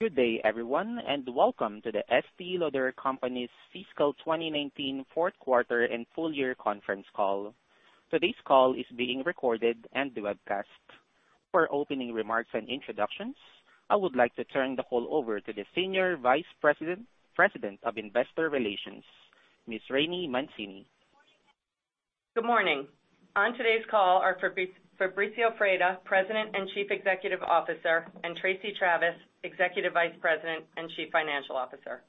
Good day, everyone, and welcome to The Estée Lauder Companies' Fiscal 2019 fourth quarter and full year conference call. Today's call is being recorded and webcast. For opening remarks and introductions, I would like to turn the call over to the Senior Vice President of Investor Relations, Ms. Rainey Mancini. Good morning. On today's call are Fabrizio Freda, President and Chief Executive Officer, and Tracey Travis, Executive Vice President and Chief Financial Officer.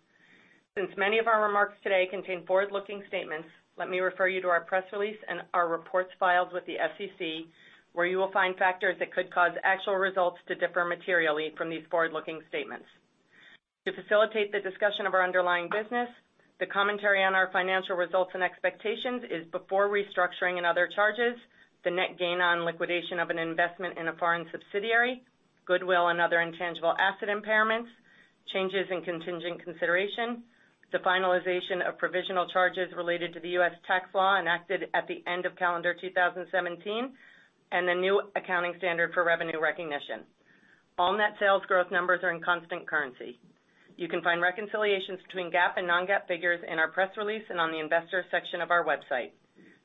Since many of our remarks today contain forward-looking statements, let me refer you to our press release and our reports filed with the SEC, where you will find factors that could cause actual results to differ materially from these forward-looking statements. To facilitate the discussion of our underlying business, the commentary on our financial results and expectations is before restructuring and other charges, the net gain on liquidation of an investment in a foreign subsidiary, goodwill and other intangible asset impairments, changes in contingent consideration, the finalization of provisional charges related to the U.S. tax law enacted at the end of calendar 2017, and the new accounting standard for revenue recognition. All net sales growth numbers are in constant currency. You can find reconciliations between GAAP and non-GAAP figures in our press release and on the investor section of our website.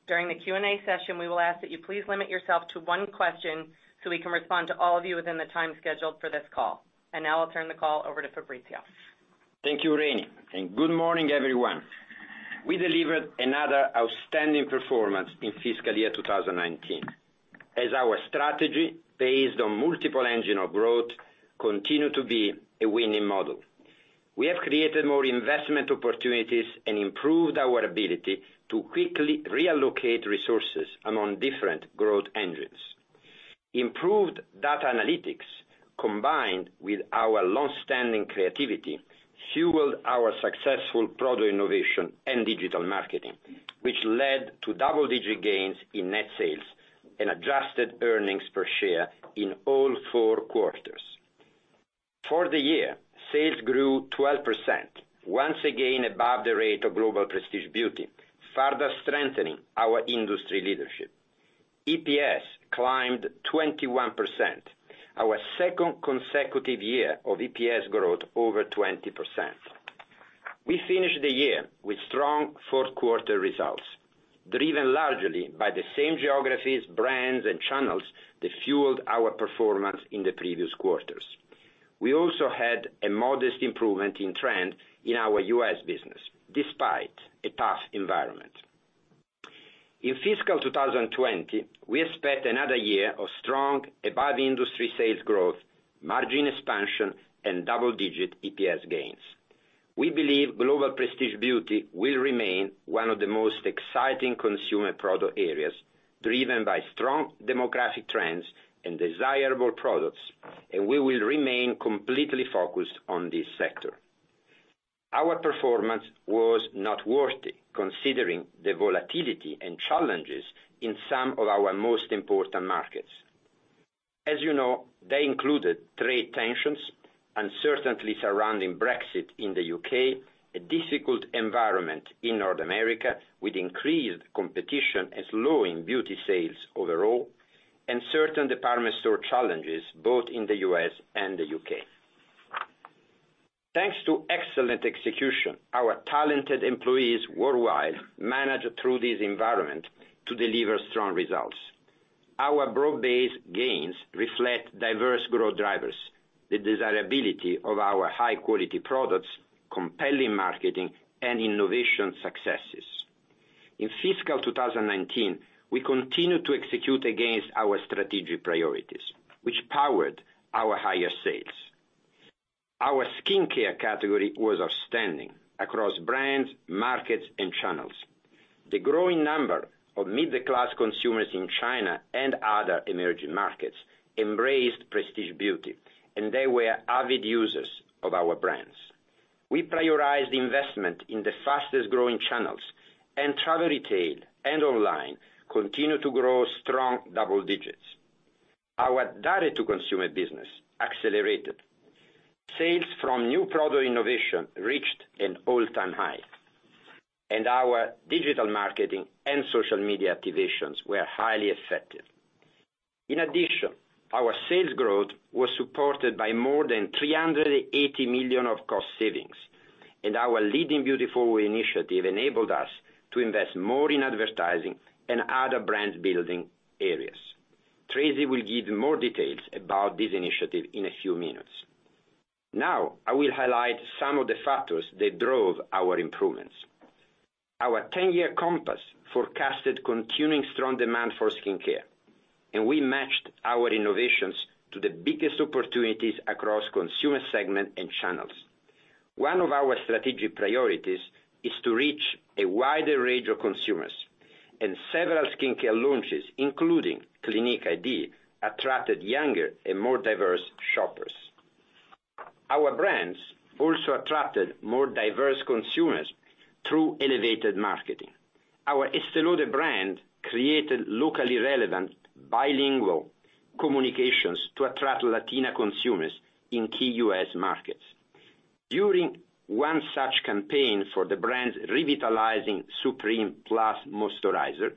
During the Q&A session, we will ask that you please limit yourself to one question so we can respond to all of you within the time scheduled for this call. Now I'll turn the call over to Fabrizio. Thank you, Rainey. Good morning everyone? We delivered another outstanding performance in fiscal year 2019 as our strategy based on multiple engine of growth continued to be a winning model. We have created more investment opportunities and improved our ability to quickly reallocate resources among different growth engines. Improved data analytics, combined with our long-standing creativity, fueled our successful product innovation and digital marketing, which led to double-digit gains in net sales and adjusted earnings per share in all four quarters. For the year, sales grew 12%, once again above the rate of global prestige beauty, further strengthening our industry leadership. EPS climbed 21%, our second consecutive year of EPS growth over 20%. We finished the year with strong fourth quarter results, driven largely by the same geographies, brands, and channels that fueled our performance in the previous quarters. We also had a modest improvement in trend in our U.S. business, despite a tough environment. In fiscal 2020, we expect another year of strong above-industry sales growth, margin expansion, and double-digit EPS gains. We believe global prestige beauty will remain one of the most exciting consumer product areas, driven by strong demographic trends and desirable products. We will remain completely focused on this sector. Our performance was noteworthy considering the volatility and challenges in some of our most important markets. As you know, they included trade tensions, uncertainty surrounding Brexit in the U.K., a difficult environment in North America with increased competition and slowing beauty sales overall, and certain department store challenges both in the U.S. and the U.K. Thanks to excellent execution, our talented employees worldwide managed through this environment to deliver strong results. Our broad-based gains reflect diverse growth drivers, the desirability of our high-quality products, compelling marketing, and innovation successes. In fiscal 2019, we continued to execute against our strategic priorities, which powered our higher sales. Our skincare category was outstanding across brands, markets, and channels. The growing number of middle-class consumers in China and other emerging markets embraced prestige beauty, and they were avid users of our brands. We prioritized investment in the fastest-growing channels, and travel retail and online continued to grow strong double digits. Our direct-to-consumer business accelerated. Sales from new product innovation reached an all-time high, and our digital marketing and social media activations were highly effective. In addition, our sales growth was supported by more than $380 million of cost savings, and our Leading Beauty Forward initiative enabled us to invest more in advertising and other brand-building areas. Tracey will give more details about this initiative in a few minutes. Now, I will highlight some of the factors that drove our improvements. Our 10-year compass forecasted continuing strong demand for skincare, and we matched our innovations to the biggest opportunities across consumer segment and channels. One of our strategic priorities is to reach a wider range of consumers, and several skincare launches, including Clinique iD, attracted younger and more diverse shoppers. Our brands also attracted more diverse consumers through elevated marketing. Our Estée Lauder brand created locally relevant bilingual communications to attract Latina consumers in key U.S. markets. During one such campaign for the brand's Revitalizing Supreme+ moisturizer,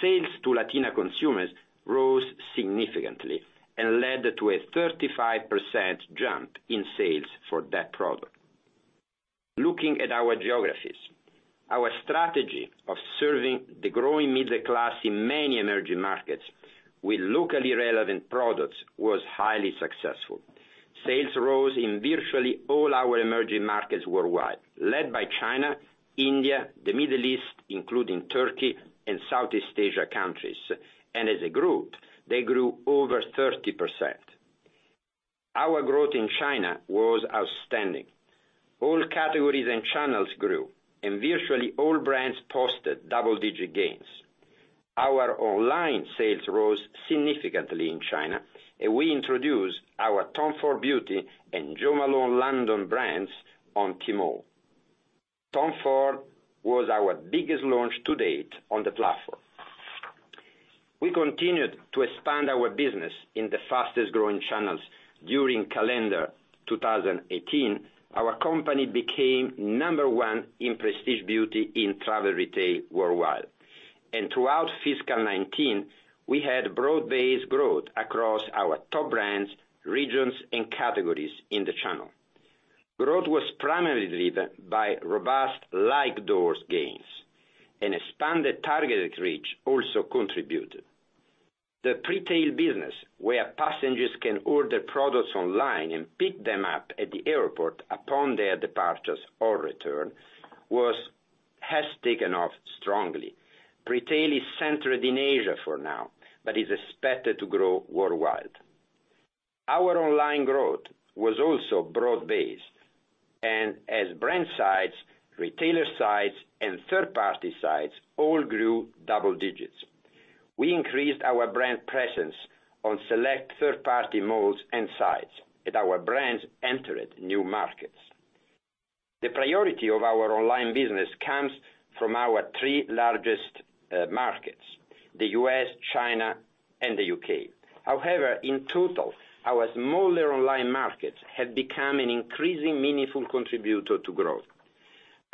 sales to Latina consumers rose significantly and led to a 35% jump in sales for that product. Looking at our geographies, our strategy of serving the growing middle class in many emerging markets with locally relevant products was highly successful. Sales rose in virtually all our emerging markets worldwide, led by China, India, the Middle East, including Turkey and Southeast Asia countries. As a group, they grew over 30%. Our growth in China was outstanding. All categories and channels grew. Virtually all brands posted double-digit gains. Our online sales rose significantly in China. We introduced our Tom Ford Beauty and Jo Malone London brands on Tmall. Tom Ford was our biggest launch to date on the platform. We continued to expand our business in the fastest-growing channels. During calendar 2018, our company became number 1 in prestige beauty in travel retail worldwide. Throughout fiscal 2019, we had broad-based growth across our top brands, regions, and categories in the channel. Growth was primarily driven by robust like doors gains and expanded targeted reach also contributed. The pre-tail business, where passengers can order products online and pick them up at the airport upon their departures or return, has taken off strongly. Pre-tail is centered in Asia for now, is expected to grow worldwide. Our online growth was also broad-based, as brand sites, retailer sites, and third-party sites all grew double digits. We increased our brand presence on select third-party malls and sites as our brands entered new markets. The priority of our online business comes from our three largest markets, the U.S., China, and the U.K. However, in total, our smaller online markets have become an increasingly meaningful contributor to growth.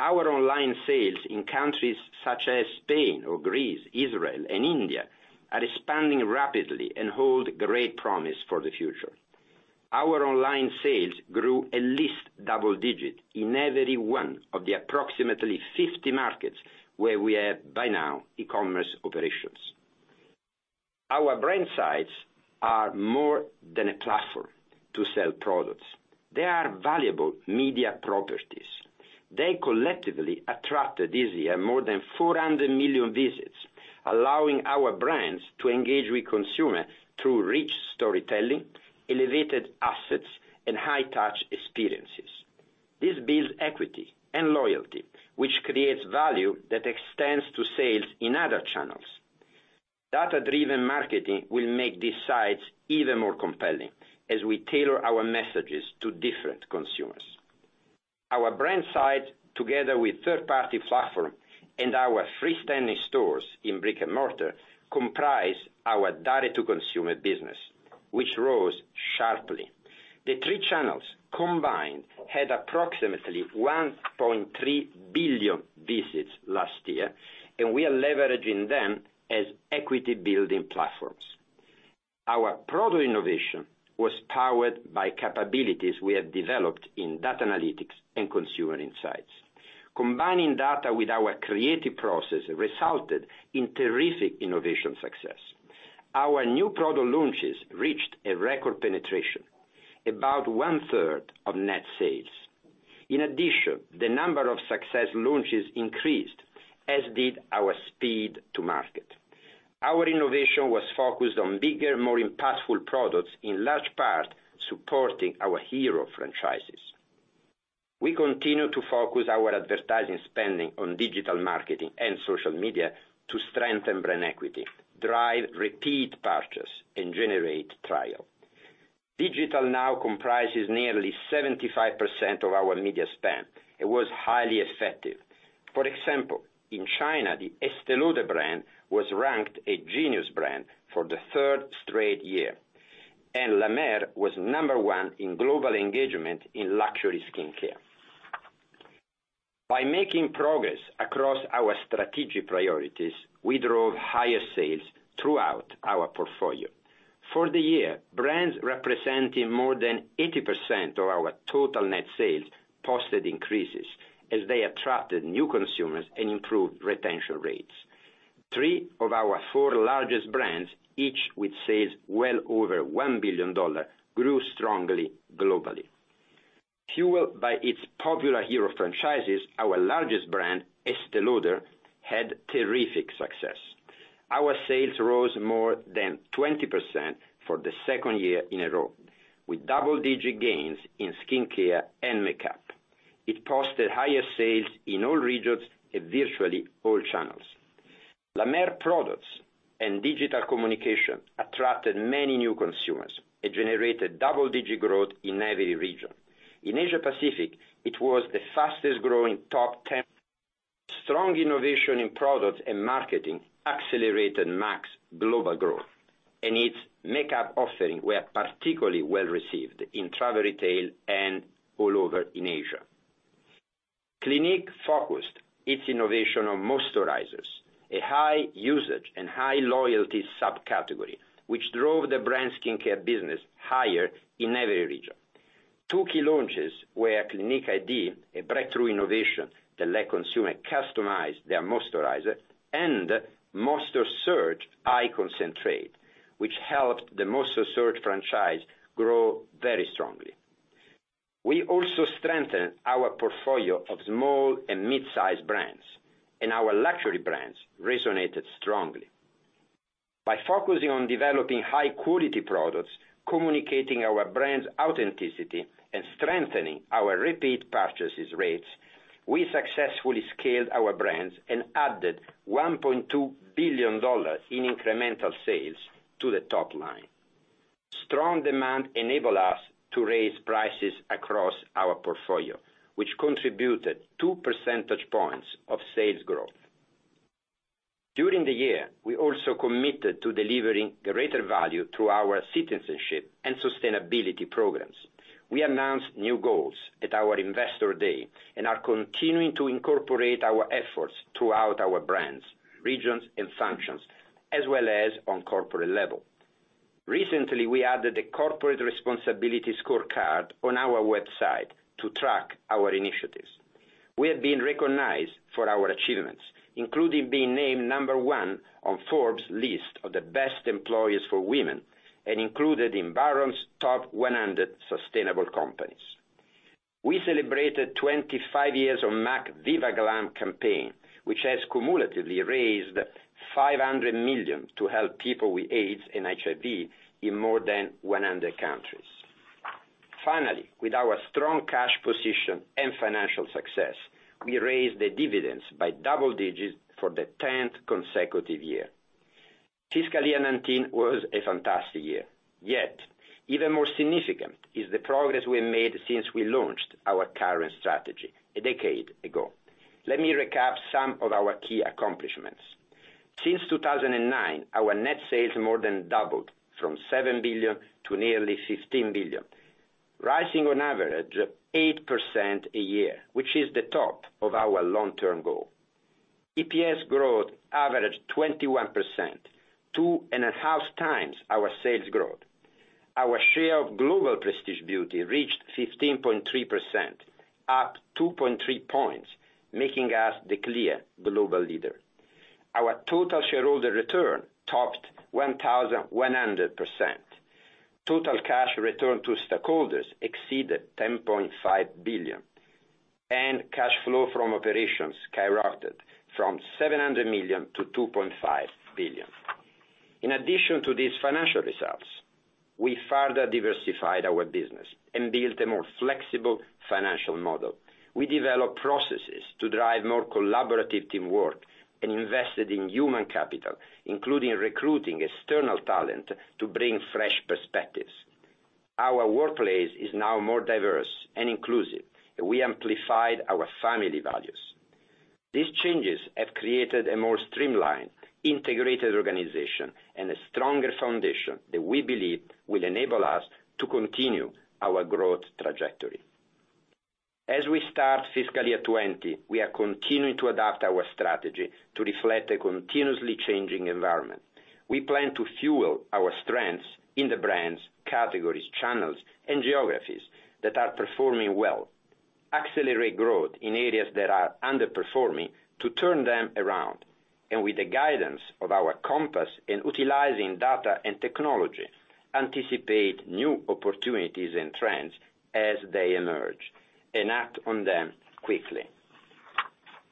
Our online sales in countries such as Spain or Greece, Israel, and India are expanding rapidly and hold great promise for the future. Our online sales grew at least double digits in every one of the approximately 50 markets where we have, by now, e-commerce operations. Our brand sites are more than a platform to sell products. They are valuable media properties. They collectively attracted this year more than 400 million visits, allowing our brands to engage with consumers through rich storytelling, elevated assets, and high-touch experiences. This builds equity and loyalty, which creates value that extends to sales in other channels. Data-driven marketing will make these sites even more compelling as we tailor our messages to different consumers. Our brand site, together with third-party platform and our freestanding stores in brick and mortar, comprise our direct-to-consumer business, which rose sharply. The three channels combined had approximately 1.3 billion visits last year, and we are leveraging them as equity-building platforms. Our product innovation was powered by capabilities we have developed in data analytics and consumer insights. Combining data with our creative process resulted in terrific innovation success. Our new product launches reached a record penetration, about 1/3 of net sales. The number of success launches increased, as did our speed to market. Our innovation was focused on bigger, more impactful products, in large part supporting our hero franchises. We continue to focus our advertising spending on digital marketing and social media to strengthen brand equity, drive repeat purchase, and generate trial. Digital now comprises nearly 75% of our media spend. It was highly effective. In China, the Estée Lauder brand was ranked a genius brand for the third straight year, and La Mer was number one in global engagement in luxury skincare. By making progress across our strategic priorities, we drove higher sales throughout our portfolio. For the year, brands representing more than 80% of our total net sales posted increases as they attracted new consumers and improved retention rates. Three of our four largest brands, each with sales well over $1 billion, grew strongly globally. Fueled by its popular hero franchises, our largest brand, Estée Lauder, had terrific success. Our sales rose more than 20% for the second year in a row. With double-digit gains in skincare and makeup, it posted higher sales in all regions and virtually all channels. La Mer products and digital communication attracted many new consumers and generated double-digit growth in every region. In Asia Pacific, it was the fastest-growing top 10. Strong innovation in products and marketing accelerated M·A·C's global growth, and its makeup offering were particularly well-received in travel retail and all over in Asia. Clinique focused its innovation on moisturizers, a high-usage and high-loyalty subcategory, which drove the brand skincare business higher in every region. Two key launches were Clinique iD, a breakthrough innovation that let consumer customize their moisturizer, and Moisture Surge Eye Concentrate, which helped the Moisture Surge franchise grow very strongly. We also strengthened our portfolio of small and mid-size brands, and our luxury brands resonated strongly. By focusing on developing high-quality products, communicating our brand's authenticity, and strengthening our repeat purchases rates, we successfully scaled our brands and added $1.2 billion in incremental sales to the top line. Strong demand enable us to raise prices across our portfolio, which contributed two percentage points of sales growth. During the year, we also committed to delivering greater value through our citizenship and sustainability programs. We announced new goals at our Investor Day, and are continuing to incorporate our efforts throughout our brands, regions, and functions, as well as on corporate level. Recently, we added a corporate responsibility scorecard on our website to track our initiatives. We have been recognized for our achievements, including being named number one on Forbes list of the best employers for women, and included in Barron's top 100 sustainable companies. We celebrated 25 years of M·A·C VIVA GLAM campaign, which has cumulatively raised $500 million to help people with AIDS and HIV in more than 100 countries. Finally, with our strong cash position and financial success, we raised the dividends by double digits for the 10th consecutive year. Fiscal year 2019 was a fantastic year. Yet, even more significant is the progress we have made since we launched our current strategy a decade ago. Let me recap some of our key accomplishments. Since 2009, our net sales more than doubled from $7 billion to nearly $15 billion, rising on average 8% a year, which is the top of our long-term goal. EPS growth averaged 21%, 2.5x our sales growth. Our share of global prestige beauty reached 15.3%, up 2.3 points, making us the clear global leader. Our total shareholder return topped 1,100%. Total cash return to stockholders exceeded $10.5 billion, and cash flow from operations skyrocketed from $700 million to $2.5 billion. In addition to these financial results, we further diversified our business and built a more flexible financial model. We developed processes to drive more collaborative teamwork and invested in human capital, including recruiting external talent to bring fresh perspectives. Our workplace is now more diverse and inclusive, and we amplified our family values. These changes have created a more streamlined, integrated organization and a stronger foundation that we believe will enable us to continue our growth trajectory. As we start fiscal year 2020, we are continuing to adapt our strategy to reflect a continuously changing environment. We plan to fuel our strengths in the brands, categories, channels, and geographies that are performing well, accelerate growth in areas that are underperforming to turn them around, and with the guidance of our compass in utilizing data and technology, anticipate new opportunities and trends as they emerge, and act on them quickly.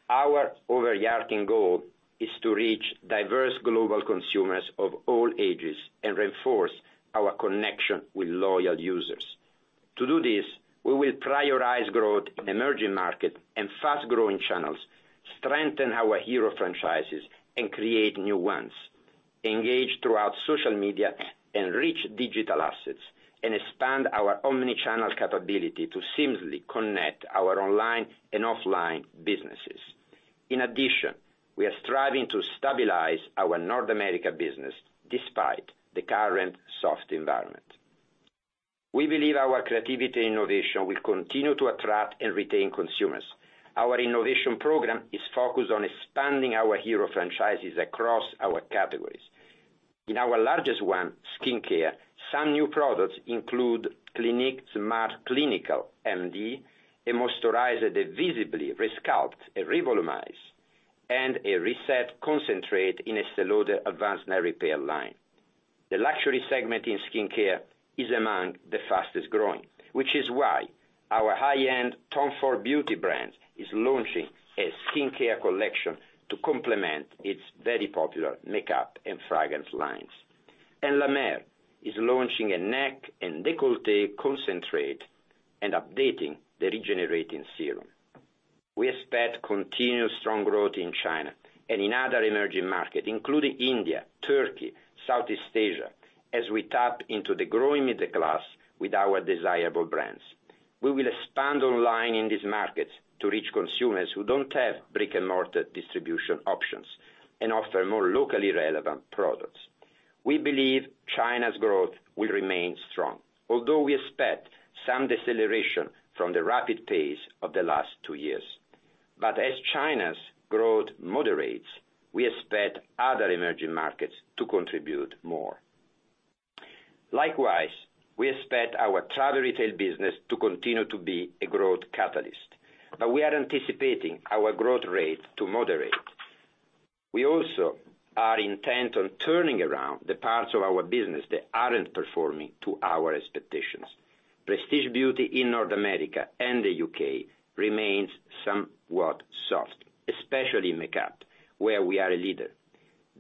Our overarching goal is to reach diverse global consumers of all ages and reinforce our connection with loyal users. To do this, we will prioritize growth in emerging market and fast-growing channels, strengthen our hero franchises, and create new ones, engage throughout social media and rich digital assets, and expand our omni-channel capability to seamlessly connect our online and offline businesses. In addition, we are striving to stabilize our North America business despite the current soft environment. We believe our creativity innovation will continue to attract and retain consumers. Our innovation program is focused on expanding our hero franchises across our categories. In our largest one, skincare, some new products include Clinique Smart Clinical MD, a moisturizer that visibly re-sculpts and re-volumize, and a reset concentrate in Estée Lauder Advanced Night Repair line. The luxury segment in skincare is among the fastest-growing, which is why our high-end Tom Ford Beauty brand is launching a skincare collection to complement its very popular makeup and fragrance lines. La Mer is launching a neck and décolleté concentrate and updating the Regenerating Serum. We expect continued strong growth in China and in other emerging market, including India, Turkey, Southeast Asia, as we tap into the growing middle class with our desirable brands. We will expand online in these markets to reach consumers who don't have brick-and-mortar distribution options and offer more locally relevant products. We believe China's growth will remain strong, although we expect some deceleration from the rapid pace of the last two years. As China's growth moderates, we expect other emerging markets to contribute more. Likewise, we expect our travel retail business to continue to be a growth catalyst, but we are anticipating our growth rate to moderate. We also are intent on turning around the parts of our business that aren't performing to our expectations. Prestige beauty in North America and the U.K. remains somewhat soft, especially in makeup, where we are a leader.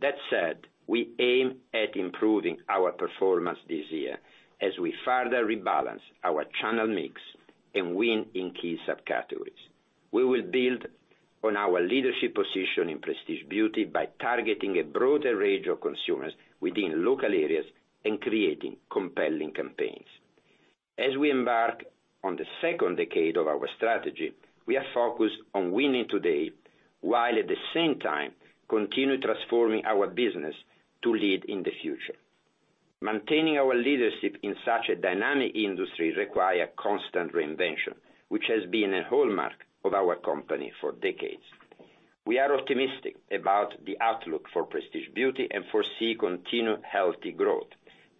That said, we aim at improving our performance this year as we further rebalance our channel mix and win in key subcategories. We will build on our leadership position in prestige beauty by targeting a broader range of consumers within local areas and creating compelling campaigns. As we embark on the second decade of our strategy, we are focused on winning today while at the same time continue transforming our business to lead in the future. Maintaining our leadership in such a dynamic industry require constant reinvention, which has been a hallmark of our company for decades. We are optimistic about the outlook for prestige beauty and foresee continued healthy growth,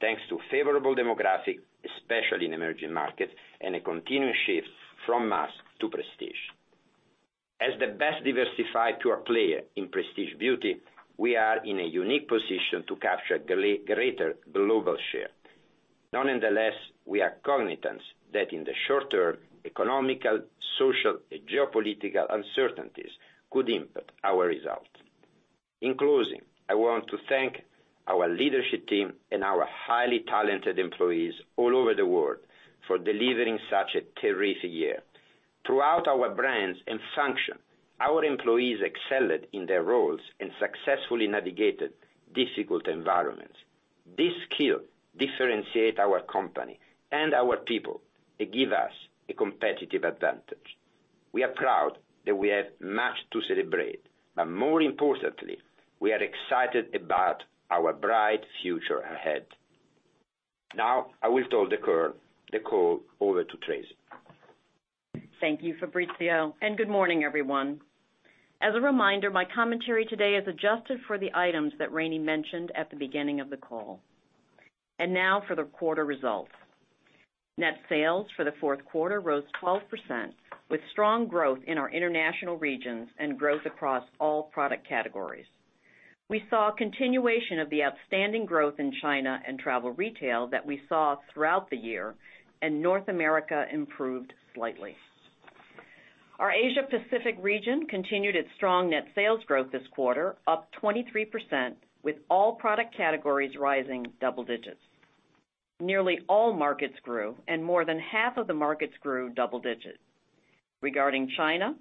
thanks to favorable demographic, especially in emerging markets, and a continued shift from mass to prestige. As the best diversified pure player in prestige beauty, we are in a unique position to capture greater global share. Nonetheless, we are cognizant that in the short term, economic, social, and geopolitical uncertainties could impact our results. In closing, I want to thank our leadership team and our highly talented employees all over the world for delivering such a terrific year. Throughout our brands and function, our employees excelled in their roles and successfully navigated difficult environments. This skill differentiates our company and our people. It gives us a competitive advantage. We are proud that we have much to celebrate, but more importantly, we are excited about our bright future ahead. Now, I will turn the call over to Tracey. Thank you, Fabrizio. Good morning everyone? As a reminder, my commentary today is adjusted for the items that Rainey mentioned at the beginning of the call. Now for the quarter results. Net sales for the fourth quarter rose 12%, with strong growth in our international regions and growth across all product categories. We saw a continuation of the outstanding growth in China and travel retail that we saw throughout the year, and North America improved slightly. Our Asia Pacific region continued its strong net sales growth this quarter, up 23%, with all product categories rising double digits. Nearly all markets grew, and more than half of the markets grew double digits. Regarding China,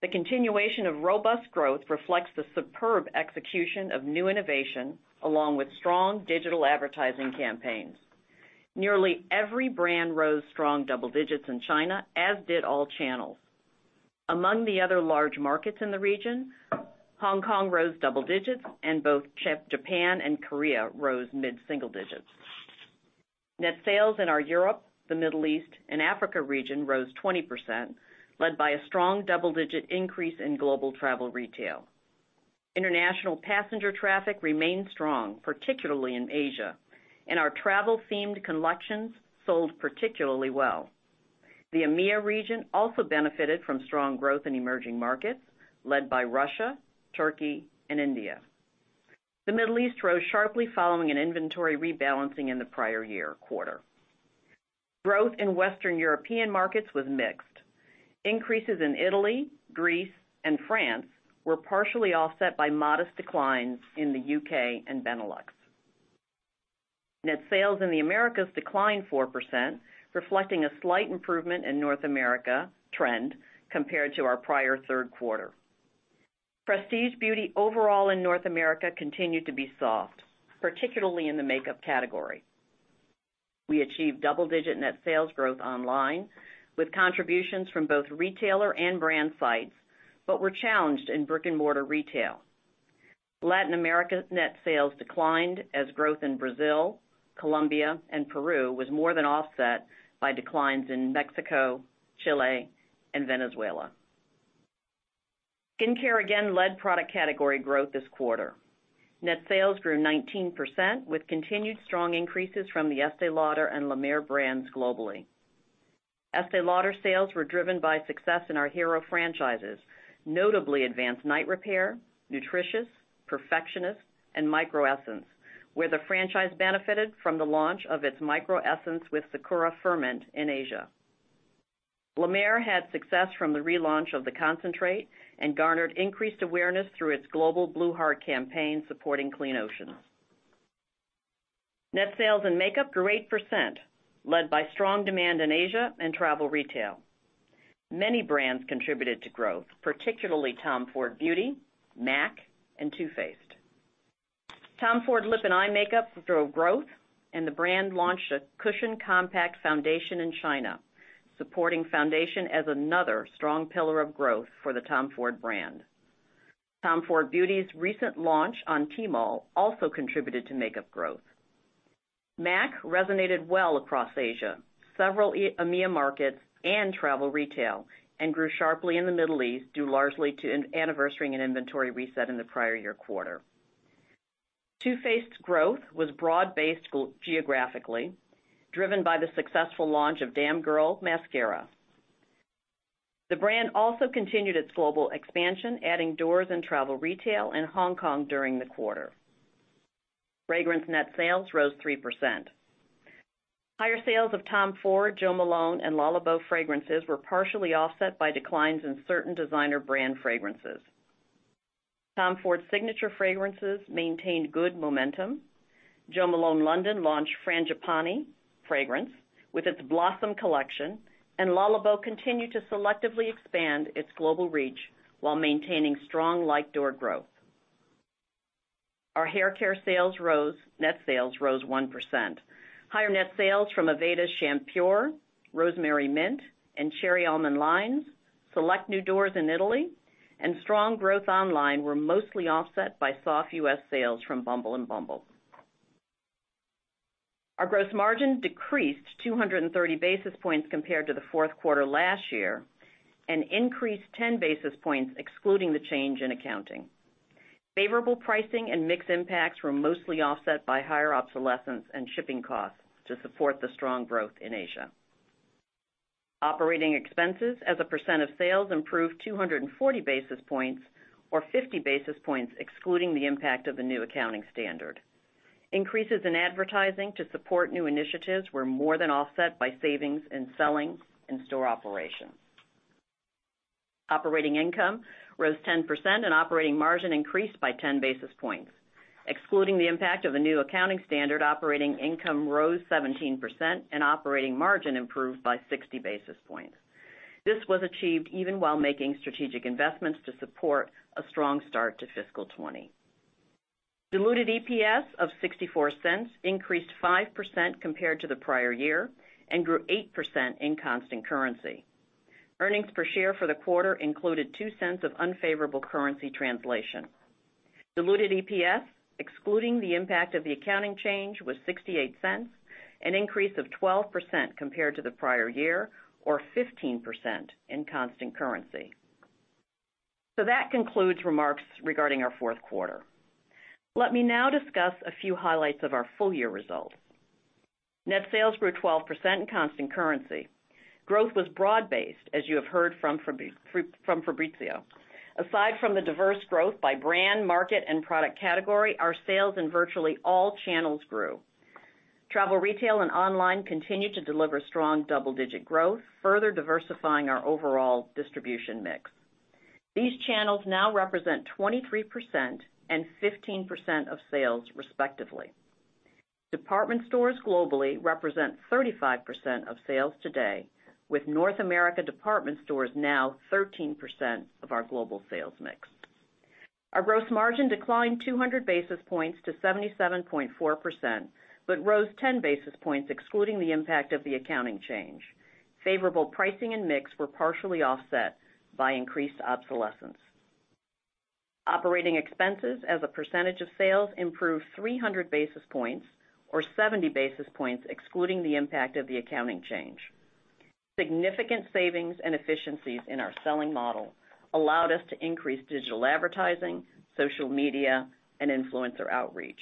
the continuation of robust growth reflects the superb execution of new innovation, along with strong digital advertising campaigns. Nearly every brand rose strong double digits in China, as did all channels. Among the other large markets in the region, Hong Kong rose double digits, and both Japan and Korea rose mid-single digits. Net sales in our Europe, the Middle East, and Africa region rose 20%, led by a strong double-digit increase in global travel retail. International passenger traffic remained strong, particularly in Asia, and our travel-themed collections sold particularly well. The EMEA region also benefited from strong growth in emerging markets led by Russia, Turkey, and India. The Middle East rose sharply following an inventory rebalancing in the prior year quarter. Growth in Western European markets was mixed. Increases in Italy, Greece, and France were partially offset by modest declines in the U.K. and Benelux. Net sales in the Americas declined 4%, reflecting a slight improvement in North America trend compared to our prior third quarter. Prestige beauty overall in North America continued to be soft, particularly in the makeup category. We achieved double-digit net sales growth online, with contributions from both retailer and brand sites, but were challenged in brick-and-mortar retail. Latin America net sales declined as growth in Brazil, Colombia, and Peru was more than offset by declines in Mexico, Chile, and Venezuela. Skincare again led product category growth this quarter. Net sales grew 19%, with continued strong increases from the Estée Lauder and La Mer brands globally. Estée Lauder sales were driven by success in our hero franchises, notably Advanced Night Repair, Nutritious, Perfectionist, and Micro Essence, where the franchise benefited from the launch of its Micro Essence with Sakura Ferment in Asia. La Mer had success from the relaunch of The Concentrate and garnered increased awareness through its global Blue Heart campaign supporting clean oceans. Net sales in makeup grew 8%, led by strong demand in Asia and travel retail. Many brands contributed to growth, particularly Tom Ford Beauty, M·A·C, and Too Faced. Tom Ford lip and eye makeup drove growth, and the brand launched a cushion compact foundation in China, supporting foundation as another strong pillar of growth for the Tom Ford brand. Tom Ford Beauty's recent launch on Tmall also contributed to makeup growth. M·A·C resonated well across Asia, several EMEA markets, and travel retail, and grew sharply in the Middle East, due largely to an anniversary and inventory reset in the prior year quarter. Too Faced growth was broad-based geographically, driven by the successful launch of Damn Girl mascara. The brand also continued its global expansion, adding doors in travel retail in Hong Kong during the quarter. Fragrance net sales rose 3%. Higher sales of Tom Ford, Jo Malone, and Le Labo fragrances were partially offset by declines in certain designer brand fragrances. Tom Ford signature fragrances maintained good momentum. Jo Malone London launched Frangipani fragrance with its Blossoms collection, and Le Labo continued to selectively expand its global reach while maintaining strong like-door growth. Our haircare net sales rose 1%. Higher net sales from Aveda Shampure, Rosemary Mint, and Cherry Almond lines, select new doors in Italy, and strong growth online were mostly offset by soft U.S. sales from Bumble & bumble. Our gross margin decreased 230 basis points compared to the fourth quarter last year and increased 10 basis points excluding the change in accounting. Favorable pricing and mix impacts were mostly offset by higher obsolescence and shipping costs to support the strong growth in Asia. Operating expenses as a percent of sales improved 240 basis points, or 50 basis points excluding the impact of the new accounting standard. Increases in advertising to support new initiatives were more than offset by savings in selling and store operations. Operating income rose 10% and operating margin increased by 10 basis points. Excluding the impact of the new accounting standard, operating income rose 17% and operating margin improved by 60 basis points. This was achieved even while making strategic investments to support a strong start to fiscal 2020. Diluted EPS of $0.64 increased 5% compared to the prior year and grew 8% in constant currency. Earnings per share for the quarter included $0.02 of unfavorable currency translation. Diluted EPS, excluding the impact of the accounting change, was $0.68, an increase of 12% compared to the prior year, or 15% in constant currency. That concludes remarks regarding our fourth quarter. Let me now discuss a few highlights of our full-year results. Net sales grew 12% in constant currency. Growth was broad-based, as you have heard from Fabrizio. Aside from the diverse growth by brand, market, and product category, our sales in virtually all channels grew. Travel retail and online continued to deliver strong double-digit growth, further diversifying our overall distribution mix. These channels now represent 23% and 15% of sales respectively. Department stores globally represent 35% of sales today, with North America department stores now 13% of our global sales mix. Our gross margin declined 200 basis points to 77.4% but rose 10 basis points excluding the impact of the accounting change. Favorable pricing and mix were partially offset by increased obsolescence. Operating expenses as a percentage of sales improved 300 basis points, or 70 basis points excluding the impact of the accounting change. Significant savings and efficiencies in our selling model allowed us to increase digital advertising, social media, and influencer outreach.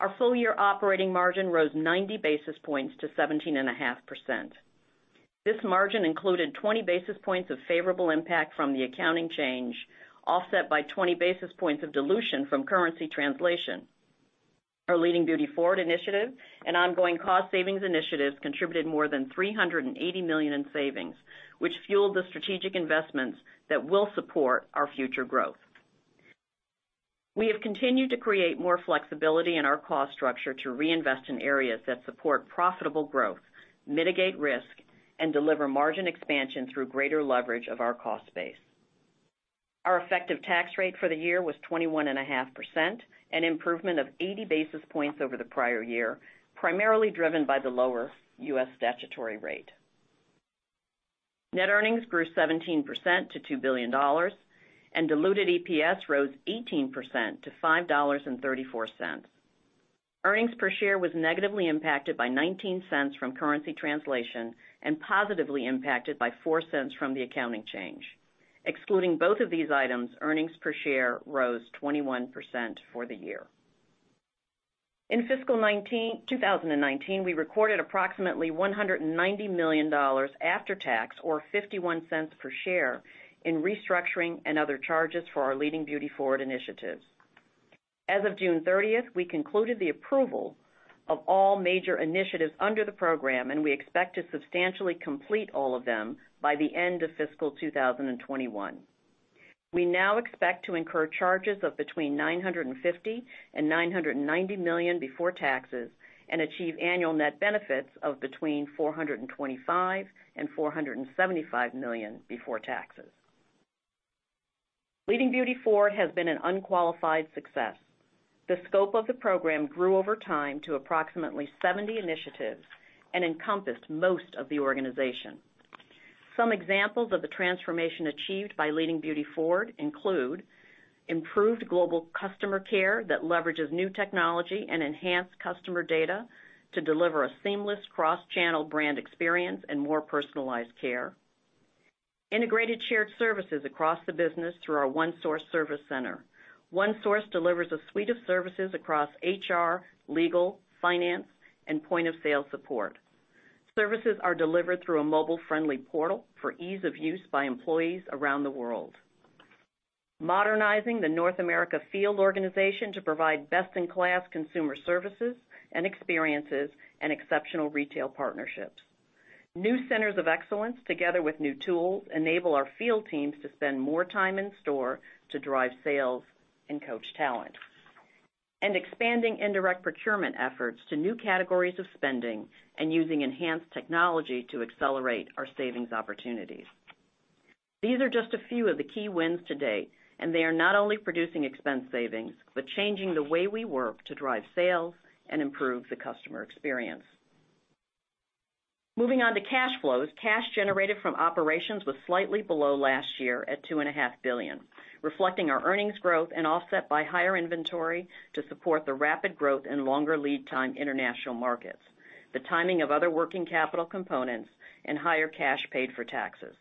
Our full-year operating margin rose 90 basis points to 17.5%. This margin included 20 basis points of favorable impact from the accounting change, offset by 20 basis points of dilution from currency translation. Our Leading Beauty Forward initiative and ongoing cost savings initiatives contributed more than $380 million in savings, which fueled the strategic investments that will support our future growth. We have continued to create more flexibility in our cost structure to reinvest in areas that support profitable growth, mitigate risk, and deliver margin expansion through greater leverage of our cost base. Our effective tax rate for the year was 21.5%, an improvement of 80 basis points over the prior year, primarily driven by the lower U.S. statutory rate. Net earnings grew 17% to $2 billion, and diluted EPS rose 18% to $5.34. Earnings per share was negatively impacted by $0.19 from currency translation and positively impacted by $0.04 from the accounting change. Excluding both of these items, earnings per share rose 21% for the year. In fiscal 2019, we recorded approximately $190 million after tax, or $0.51 per share, in restructuring and other charges for our Leading Beauty Forward initiatives. As of June 30, we concluded the approval of all major initiatives under the program, and we expect to substantially complete all of them by the end of fiscal 2021. We now expect to incur charges of between $950 million and $990 million before taxes and achieve annual net benefits of between $425 million and $475 million before taxes. Leading Beauty Forward has been an unqualified success. The scope of the program grew over time to approximately 70 initiatives and encompassed most of the organization. Some examples of the transformation achieved by Leading Beauty Forward include improved global customer care that leverages new technology and enhanced customer data to deliver a seamless cross-channel brand experience and more personalized care. Integrated shared services across the business through our OneSource service center. OneSource delivers a suite of services across HR, legal, finance, and point-of-sale support. Services are delivered through a mobile-friendly portal for ease of use by employees around the world. Modernizing the North America field organization to provide best-in-class consumer services and experiences and exceptional retail partnerships. New centers of excellence, together with new tools, enable our field teams to spend more time in store to drive sales and coach talent. Expanding indirect procurement efforts to new categories of spending and using enhanced technology to accelerate our savings opportunities. These are just a few of the key wins to date. They are not only producing expense savings, but changing the way we work to drive sales and improve the customer experience. Moving on to cash flows, cash generated from operations was slightly below last year at $2.5 billion, reflecting our earnings growth and offset by higher inventory to support the rapid growth in longer lead time international markets, the timing of other working capital components, and higher cash paid for taxes.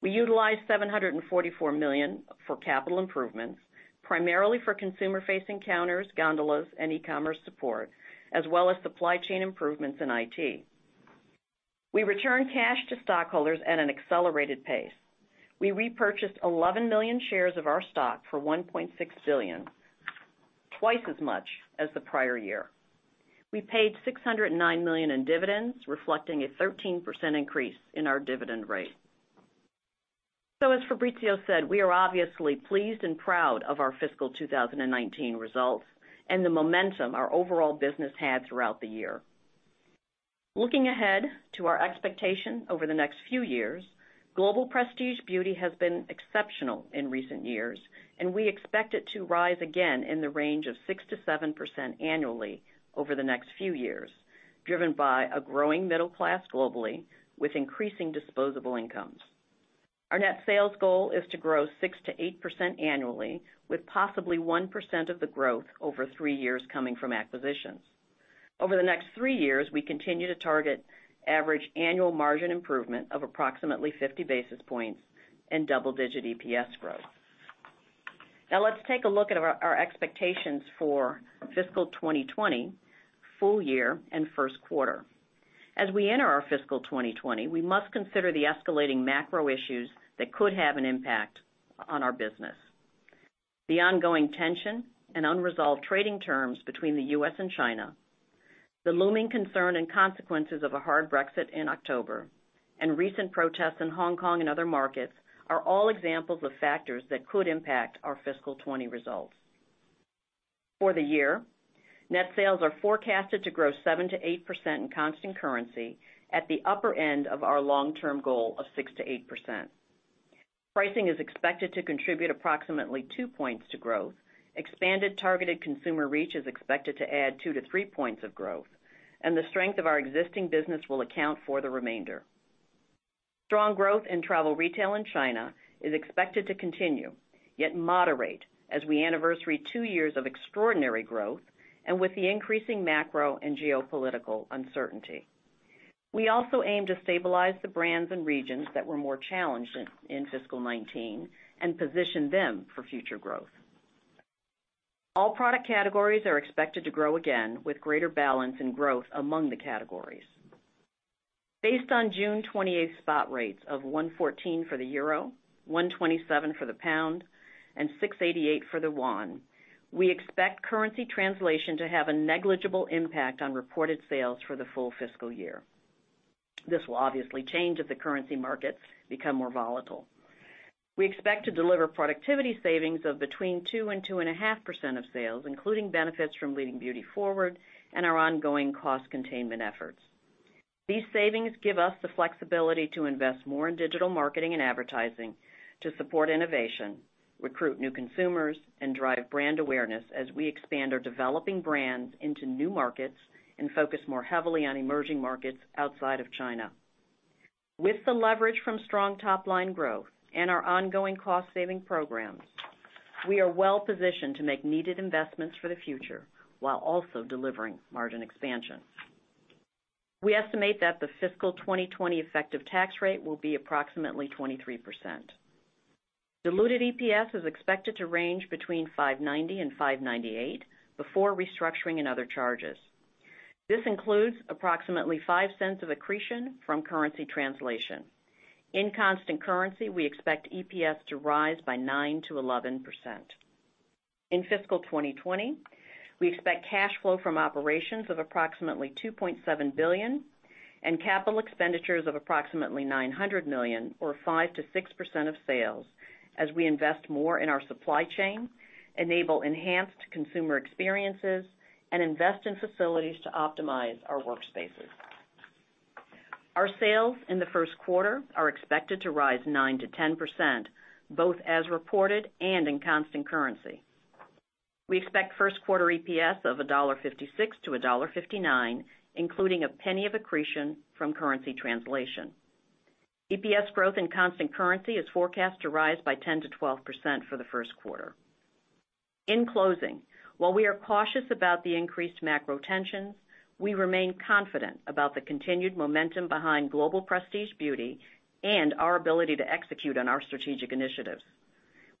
We utilized $744 million for capital improvements, primarily for consumer-facing counters, gondolas, and e-commerce support, as well as supply chain improvements in IT. We returned cash to stockholders at an accelerated pace. We repurchased 11 million shares of our stock for $1.6 billion, twice as much as the prior year. We paid $609 million in dividends, reflecting a 13% increase in our dividend rate. As Fabrizio said, we are obviously pleased and proud of our fiscal 2019 results and the momentum our overall business had throughout the year. Looking ahead to our expectation over the next few years, global prestige beauty has been exceptional in recent years, and we expect it to rise again in the range of 6%-7% annually over the next few years, driven by a growing middle class globally with increasing disposable incomes. Our net sales goal is to grow 6%-8% annually, with possibly 1% of the growth over three years coming from acquisitions. Over the next three years, we continue to target average annual margin improvement of approximately 50 basis points and double-digit EPS growth. Let's take a look at our expectations for fiscal 2020 full year and first quarter. As we enter our fiscal 2020, we must consider the escalating macro issues that could have an impact on our business. The ongoing tension and unresolved trading terms between the U.S. and China, the looming concern and consequences of a hard Brexit in October, recent protests in Hong Kong and other markets are all examples of factors that could impact our fiscal 2020 results. For the year, net sales are forecasted to grow 7%-8% in constant currency at the upper end of our long-term goal of 6%-8%. Pricing is expected to contribute approximately two points to growth. Expanded targeted consumer reach is expected to add two points-three points of growth, the strength of our existing business will account for the remainder. Strong growth in travel retail in China is expected to continue, yet moderate as we anniversary two years of extraordinary growth and with the increasing macro and geopolitical uncertainty. We also aim to stabilize the brands and regions that were more challenged in fiscal 2019 and position them for future growth. All product categories are expected to grow again with greater balance and growth among the categories. Based on June 28 spot rates of $1.14 for the euro, $1.27 for the pound, and $6.88 for the yuan, we expect currency translation to have a negligible impact on reported sales for the full fiscal year. This will obviously change if the currency markets become more volatile. We expect to deliver productivity savings of between 2% and 2.5% of sales, including benefits from Leading Beauty Forward and our ongoing cost containment efforts. These savings give us the flexibility to invest more in digital marketing and advertising to support innovation, recruit new consumers, and drive brand awareness as we expand our developing brands into new markets and focus more heavily on emerging markets outside of China. With the leverage from strong top-line growth and our ongoing cost-saving programs, we are well-positioned to make needed investments for the future while also delivering margin expansion. We estimate that the fiscal 2020 effective tax rate will be approximately 23%. Diluted EPS is expected to range between $5.90 and $5.98 before restructuring and other charges. This includes approximately $0.05 of accretion from currency translation. In constant currency, we expect EPS to rise by 9%-11%. In fiscal 2020, we expect cash flow from operations of approximately $2.7 billion and capital expenditures of approximately $900 million or 5%-6% of sales as we invest more in our supply chain, enable enhanced consumer experiences, and invest in facilities to optimize our workspaces. Our sales in the first quarter are expected to rise 9%-10%, both as reported and in constant currency. We expect first quarter EPS of $1.56-$1.59, including $0.01 of accretion from currency translation. EPS growth in constant currency is forecast to rise by 10%-12% for the first quarter. In closing, while we are cautious about the increased macro tensions, we remain confident about the continued momentum behind global prestige beauty and our ability to execute on our strategic initiatives.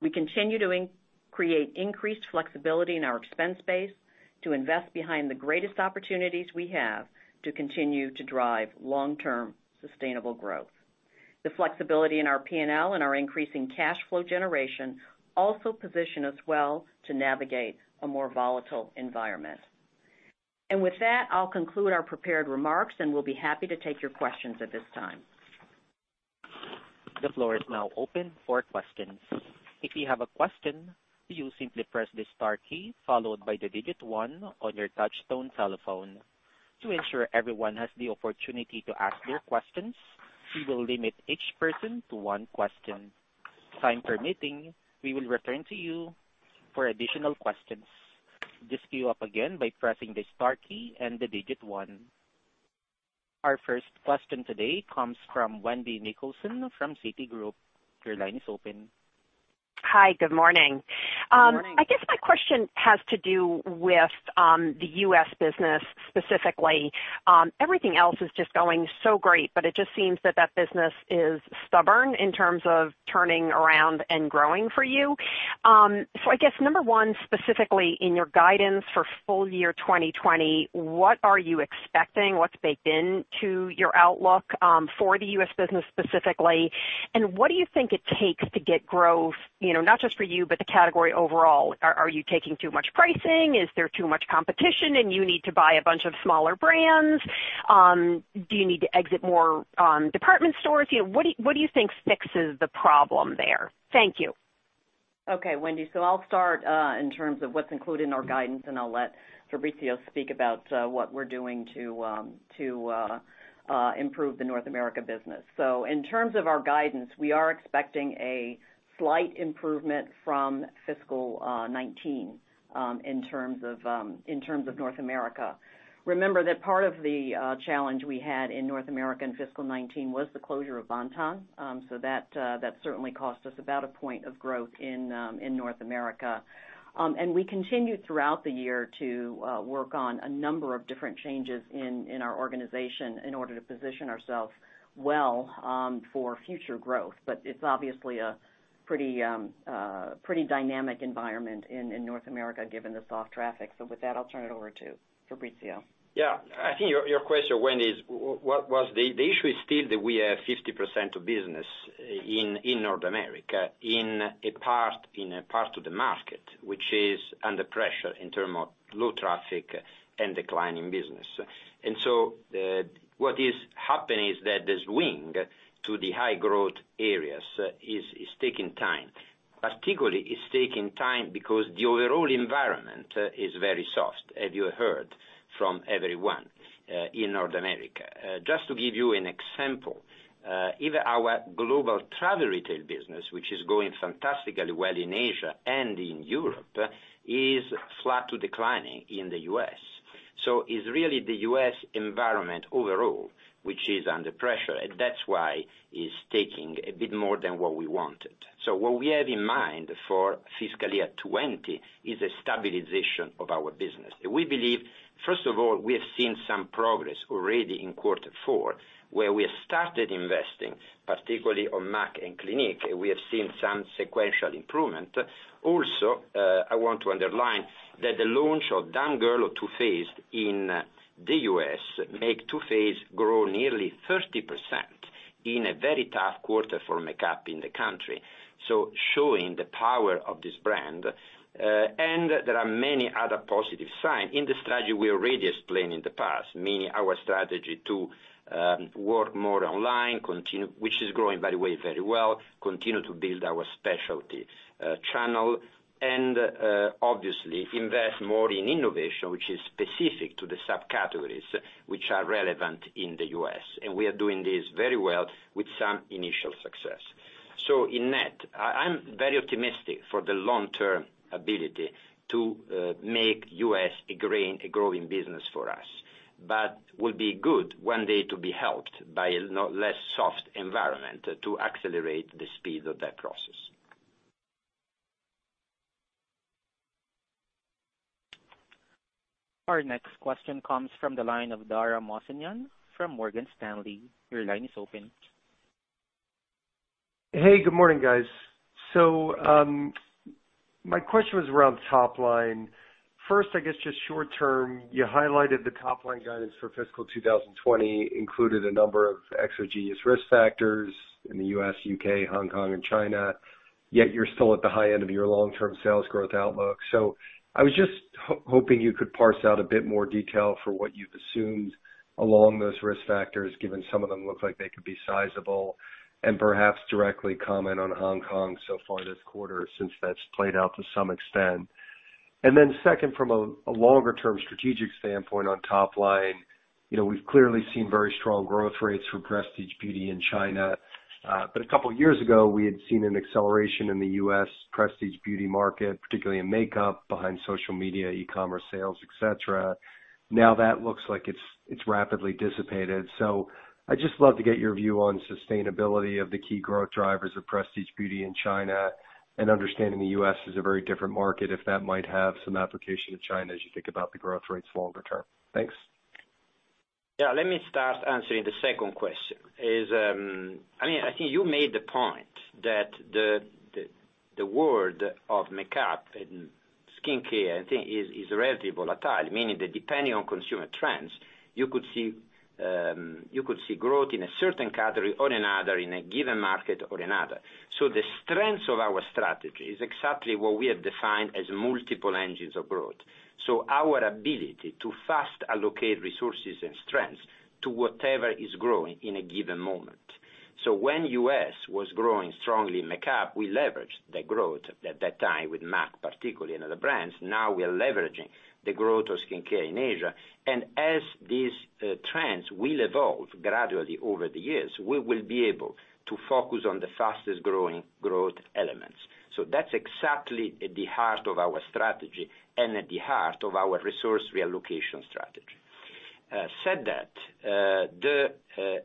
We continue to create increased flexibility in our expense base to invest behind the greatest opportunities we have to continue to drive long-term sustainable growth. The flexibility in our P&L and our increasing cash flow generation also position us well to navigate a more volatile environment. With that, I'll conclude our prepared remarks, and we'll be happy to take your questions at this time. The floor is now open for questions. If you have a question, you simply press the star key followed by the digit one on your touchtone telephone. To ensure everyone has the opportunity to ask their questions, we will limit each person to one question. Time permitting, we will return to you for additional questions. Just queue up again by pressing the star key and the digit one. Our first question today comes from Wendy Nicholson from Citigroup. Your line is open. Hi, good morning? Good morning. I guess my question has to do with the U.S. business specifically. Everything else is just going so great, it just seems that that business is stubborn in terms of turning around and growing for you. I guess number one, specifically in your guidance for full year 2020, what are you expecting? What's baked into your outlook for the U.S. business specifically, and what do you think it takes to get growth, not just for you, but the category overall? Are you taking too much pricing? Is there too much competition and you need to buy a bunch of smaller brands? Do you need to exit more department stores? What do you think fixes the problem there? Thank you. Okay, Wendy. I'll start in terms of what's included in our guidance, and I'll let Fabrizio speak about what we're doing to improve the North America business. In terms of our guidance, we are expecting a slight improvement from fiscal 2019 in terms of North America. Remember that part of the challenge we had in North America in fiscal 2019 was the closure of Bon-Ton. That certainly cost us about one point of growth in North America. We continued throughout the year to work on a number of different changes in our organization in order to position ourselves well for future growth. It's obviously a pretty dynamic environment in North America, given the soft traffic. With that, I'll turn it over to Fabrizio. Yeah. I think your question, Wendy, is the issue is still that we have 50% of business in North America in a part of the market which is under pressure in term of low traffic and declining business. What is happening is that the swing to the high growth areas is taking time. Particularly it's taking time because the overall environment is very soft, as you heard from everyone in North America. Just to give you an example, even our global travel retail business, which is going fantastically well in Asia and in Europe, is flat to declining in the U.S. It's really the U.S. environment overall, which is under pressure, and that's why it's taking a bit more than what we wanted. What we have in mind for FY 2020 is a stabilization of our business. We believe, first of all, we have seen some progress already in quarter four, where we have started investing, particularly in M·A·C and Clinique. We have seen some sequential improvement. Also, I want to underline that the launch of Damn Girl by Too Faced in the U.S. made Too Faced grow nearly 30% in a very tough quarter for makeup in the country, so showing the power of this brand. There are many other positive signs in the strategy we already explained in the past, meaning our strategy to work more online, which is growing by the way, very well, continue to build our specialty channel and obviously invest more in innovation, which is specific to the subcategories which are relevant in the U.S. We are doing this very well with some initial success. In net, I'm very optimistic for the long-term ability to make U.S. a growing business for us. Will be good one day to be helped by a less soft environment to accelerate the speed of that process. Our next question comes from the line of Dara Mohsenian from Morgan Stanley, your line is open. Hey, good morning guys? My question was around top line. First, I guess just short term, you highlighted the top-line guidance for fiscal 2020 included a number of exogenous risk factors in the U.S., U.K., Hong Kong, and China, yet you're still at the high end of your long-term sales growth outlook. I was just hoping you could parse out a bit more detail for what you've assumed along those risk factors, given some of them look like they could be sizable and perhaps directly comment on Hong Kong so far this quarter, since that's played out to some extent. Second, from a longer term strategic standpoint on top line, we've clearly seen very strong growth rates for prestige beauty in China. A couple of years ago, we had seen an acceleration in the U.S. prestige beauty market, particularly in makeup, behind social media, e-commerce sales, et cetera. That looks like it's rapidly dissipated. I'd just love to get your view on sustainability of the key growth drivers of prestige beauty in China, and understanding the U.S. is a very different market, if that might have some application to China as you think about the growth rates longer term. Thanks. Yeah, let me start answering the second question. I think you made the point that the world of makeup and skincare, I think, is relatively volatile, meaning that depending on consumer trends, you could see growth in a certain category or another, in a given market or another. The strength of our strategy is exactly what we have defined as multiple engines of growth. Our ability to fast allocate resources and strengths to whatever is growing in a given moment. When U.S. was growing strongly in makeup, we leveraged the growth at that time with M·A·C particularly and other brands. Now we are leveraging the growth of skincare in Asia. As these trends will evolve gradually over the years, we will be able to focus on the fastest growing growth elements. That's exactly at the heart of our strategy and at the heart of our resource reallocation strategy. Said that, the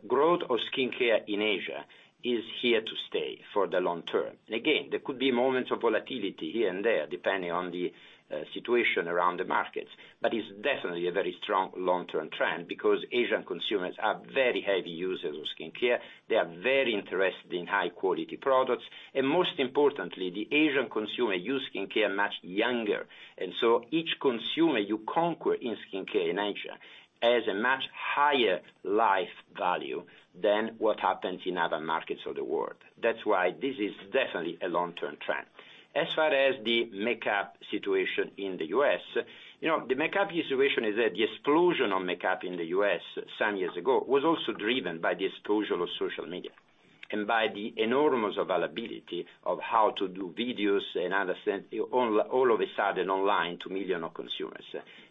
growth of skincare in Asia is here to stay for the long term. Again, there could be moments of volatility here and there, depending on the situation around the markets, but it's definitely a very strong long-term trend because Asian consumers are very heavy users of skincare. They are very interested in high-quality products. Most importantly, the Asian consumer use skincare much younger. Each consumer you conquer in skincare in Asia has a much higher life value than what happens in other markets of the world. That's why this is definitely a long-term trend. As far as the makeup situation in the U.S., the makeup situation is that the explosion of makeup in the U.S. some years ago was also driven by the explosion of social media and by the enormous availability of how to do videos and other things, all of a sudden online to millions of consumers.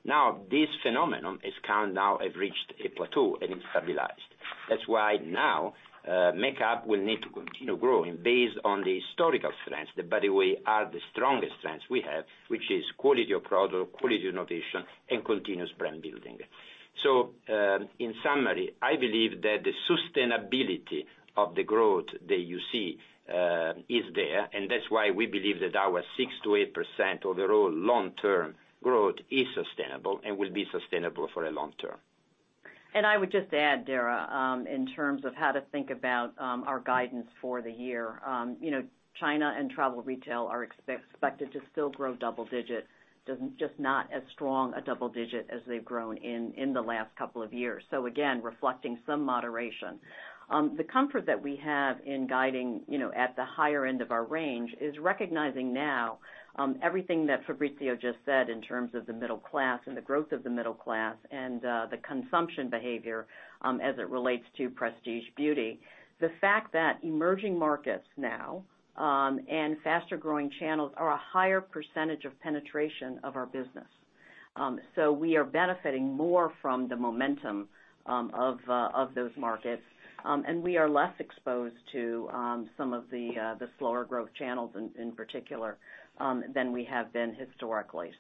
Now, this phenomenon has reached a plateau and it stabilized. That's why now, makeup will need to continue growing based on the historical strengths, that by the way, are the strongest strengths we have, which is quality of product, quality of innovation, and continuous brand building. In summary, I believe that the sustainability of the growth that you see is there, and that's why we believe that our 6%-8% overall long-term growth is sustainable and will be sustainable for a long term. I would just add, Dara, in terms of how to think about our guidance for the year. China and travel retail are expected to still grow double digit, just not as strong a double digit as they've grown in the last couple of years. Again, reflecting some moderation. The comfort that we have in guiding at the higher end of our range is recognizing now everything that Fabrizio just said in terms of the middle class and the growth of the middle class and the consumption behavior as it relates to prestige beauty. The fact that emerging markets now, and faster-growing channels are a higher percentage of penetration of our business. We are benefiting more from the momentum of those markets, and we are less exposed to some of the slower growth channels in particular, than we have been historically.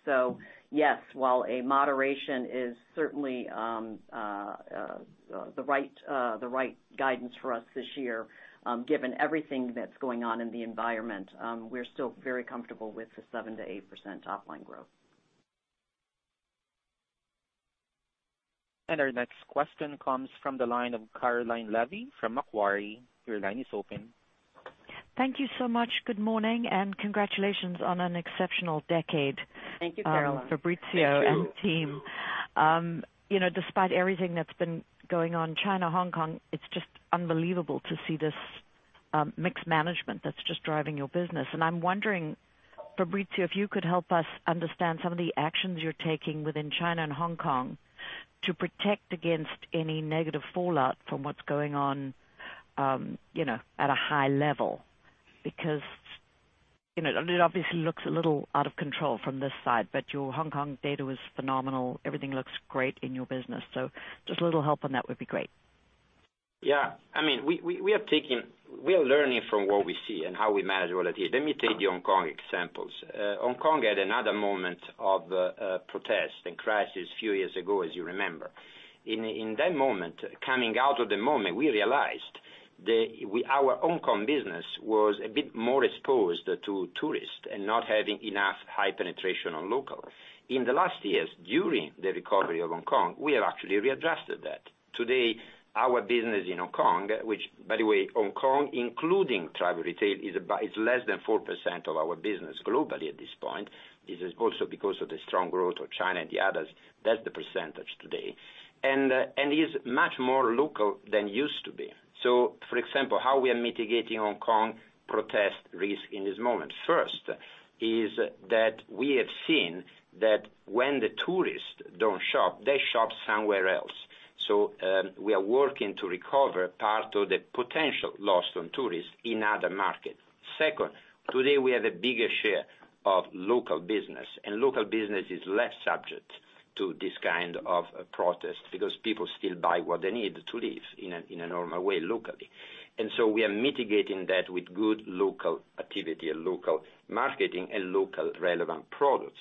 Yes, while a moderation is certainly the right guidance for us this year, given everything that's going on in the environment, we're still very comfortable with the 7%-8% top line growth. Our next question comes from the line of Caroline Levy from Macquarie, your line is open. Thank you so much. Good morning? Congratulations on an exceptional decade. Thank you, Caroline. Fabrizio and team, despite everything that's been going on, China, Hong Kong, it's just unbelievable to see this mixed management that's just driving your business. I'm wondering, Fabrizio, if you could help us understand some of the actions you're taking within China and Hong Kong to protect against any negative fallout from what's going on at a high level? It obviously looks a little out of control from this side, but your Hong Kong data was phenomenal. Everything looks great in your business. Just a little help on that would be great. Yeah. We are learning from what we see and how we manage all of it. Let me take the Hong Kong examples. Hong Kong had another moment of protest and crisis a few years ago, as you remember. In that moment, coming out of the moment, we realized that our Hong Kong business was a bit more exposed to tourists and not having enough high penetration on locals. In the last years, during the recovery of Hong Kong, we have actually readjusted that. Today, our business in Hong Kong, which by the way, Hong Kong, including travel retail, is less than 4% of our business globally at this point. This is also because of the strong growth of China and the others. That's the percentage today. Is much more local than it used to be. For example, how we are mitigating Hong Kong protest risk in this moment. First, is that we have seen that when the tourists don't shop, they shop somewhere else. We are working to recover part of the potential loss from tourists in other markets. Second, today we have a bigger share of local business, and local business is less subject to this kind of protest because people still buy what they need to live in a normal way locally. We are mitigating that with good local activity and local marketing and local relevant products.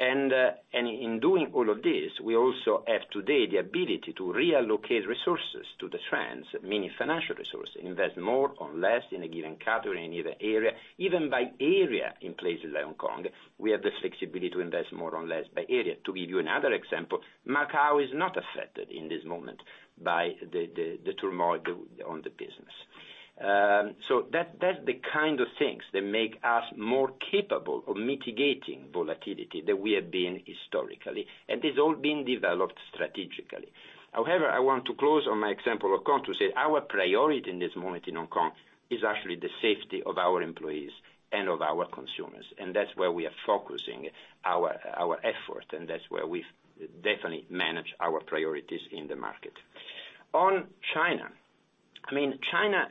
In doing all of this, we also have today the ability to reallocate resources to the trends, meaning financial resources, invest more or less in a given category, in either area, even by area in places like Hong Kong. We have the flexibility to invest more or less by area. To give you another example, Macau is not affected in this moment by the turmoil on the business. That's the kind of things that make us more capable of mitigating volatility than we have been historically, and it's all been developed strategically. However, I want to close on my example of Hong Kong to say, our priority in this moment in Hong Kong is actually the safety of our employees and of our consumers, and that's where we are focusing our effort, and that's where we definitely manage our priorities in the market. On China.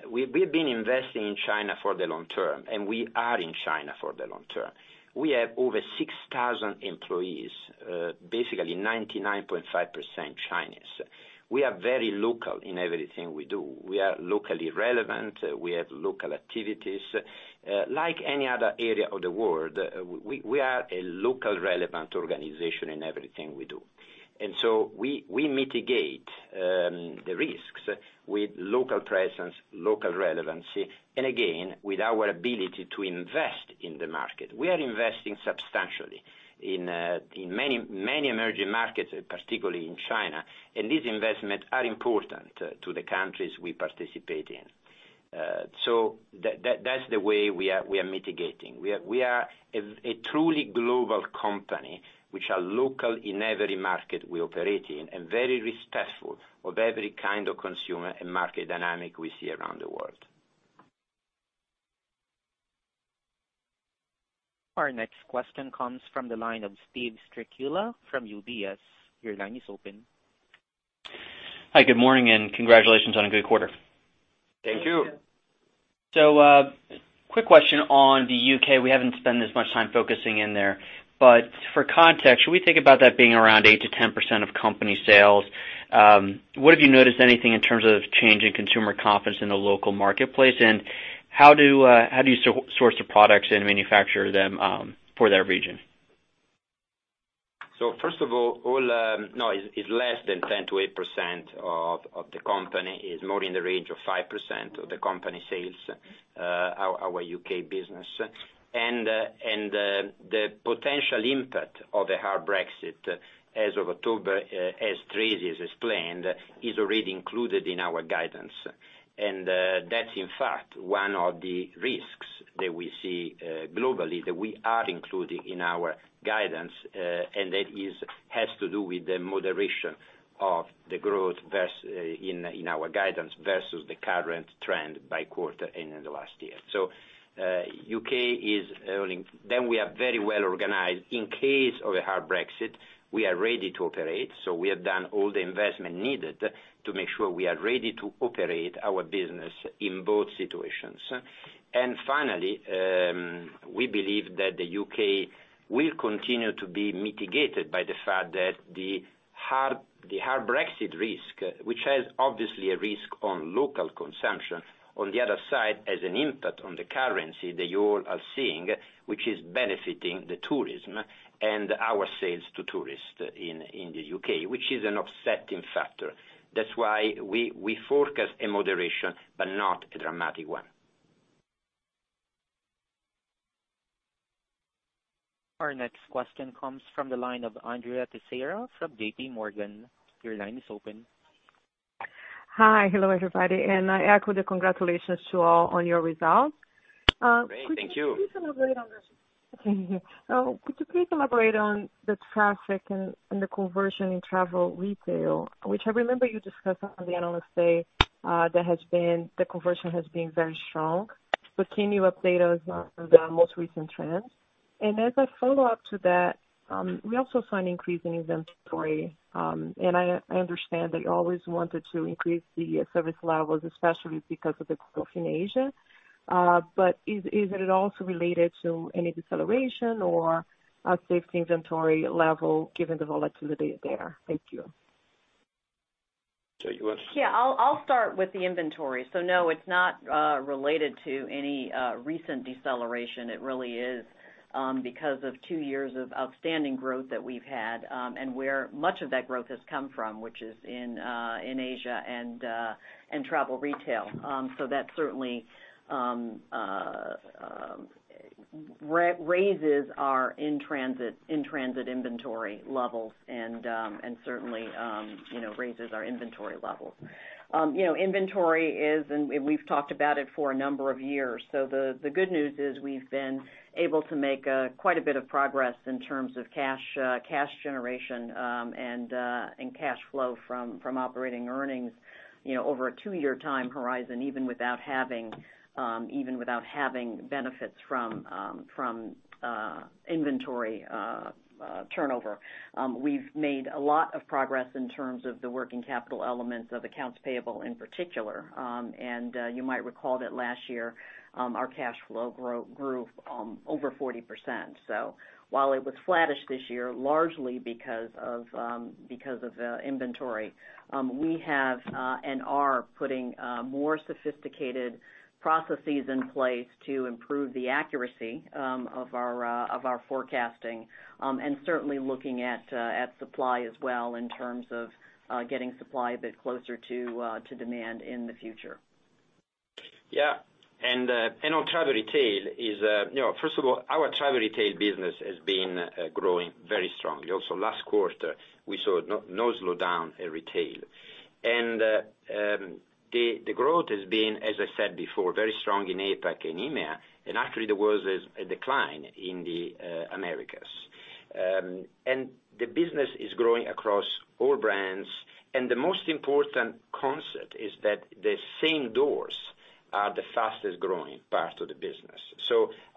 We've been investing in China for the long term, and we are in China for the long term. We have over 6,000 employees, basically 99.5% Chinese. We are very local in everything we do. We are locally relevant. We have local activities. Like any other area of the world, we are a local relevant organization in everything we do. We mitigate the risks with local presence, local relevancy, and again, with our ability to invest in the market. We are investing substantially in many emerging markets, particularly in China. These investments are important to the countries we participate in. That's the way we are mitigating. We are a truly global company, which are local in every market we operate in, and very respectful of every kind of consumer and market dynamic we see around the world. Our next question comes from the line of Steve Strycula from UBS, your line is open. Hi, good morning and congratulations on a good quarter. Thank you. Quick question on the U.K. We haven't spent as much time focusing in there. For context, should we think about that being around 8%-10% of company sales? What have you noticed anything in terms of change in consumer confidence in the local marketplace, and how do you source the products and manufacture them for that region? First of all, no, it's less than 10%-8% of the company. It's more in the range of 5% of the company sales, our U.K. business. The potential impact of the hard Brexit as of October, as Tracey has explained, is already included in our guidance. That's in fact one of the risks that we see globally that we are including in our guidance, and that has to do with the moderation of the growth in our guidance versus the current trend by quarter and in the last year. U.K. is earning. We are very well organized in case of a hard Brexit. We are ready to operate. We have done all the investment needed to make sure we are ready to operate our business in both situations. Finally, we believe that the U.K. will continue to be mitigated by the fact that the hard Brexit risk, which has obviously a risk on local consumption, on the other side, has an impact on the currency that you all are seeing, which is benefiting the tourism and our sales to tourists in the U.K., which is an offsetting factor. That's why we forecast a moderation, but not a dramatic one. Our next question comes from the line of Andrea Teixeira from JPMorgan, your line is open. Hi. Hello everybody? I echo the congratulations to all on your results. Thank you. Could you please elaborate on the traffic and the conversion in travel retail, which I remember you discussed on the Analyst Day, the conversion has been very strong. Can you update us on the most recent trends? As a follow-up to that, we also saw an increase in inventory. I understand that you always wanted to increase the service levels, especially because of the growth in Asia. Is it also related to any deceleration or a safe inventory level given the volatility there? Thank you. Tracey, you want to? I'll start with the inventory. No, it's not related to any recent deceleration. It really is because of two years of outstanding growth that we've had, and where much of that growth has come from, which is in Asia and travel retail. That certainly raises our in-transit inventory levels and certainly raises our inventory levels. Inventory is, and we've talked about it for a number of years. The good news is we've been able to make quite a bit of progress in terms of cash generation and cash flow from operating earnings over a two-year time horizon, even without having benefits from inventory turnover. We've made a lot of progress in terms of the working capital elements of accounts payable in particular. You might recall that last year our cash flow grew over 40%. While it was flattish this year, largely because of inventory, we are putting more sophisticated processes in place to improve the accuracy of our forecasting. Certainly looking at supply as well in terms of getting supply a bit closer to demand in the future. Yeah. On travel retail, first of all, our travel retail business has been growing very strongly. Also last quarter, we saw no slowdown in retail. The growth has been, as I said before, very strong in APAC and EMEA, actually there was a decline in the Americas. The business is growing across all brands. The most important concept is that the same doors are the fastest-growing part of the business.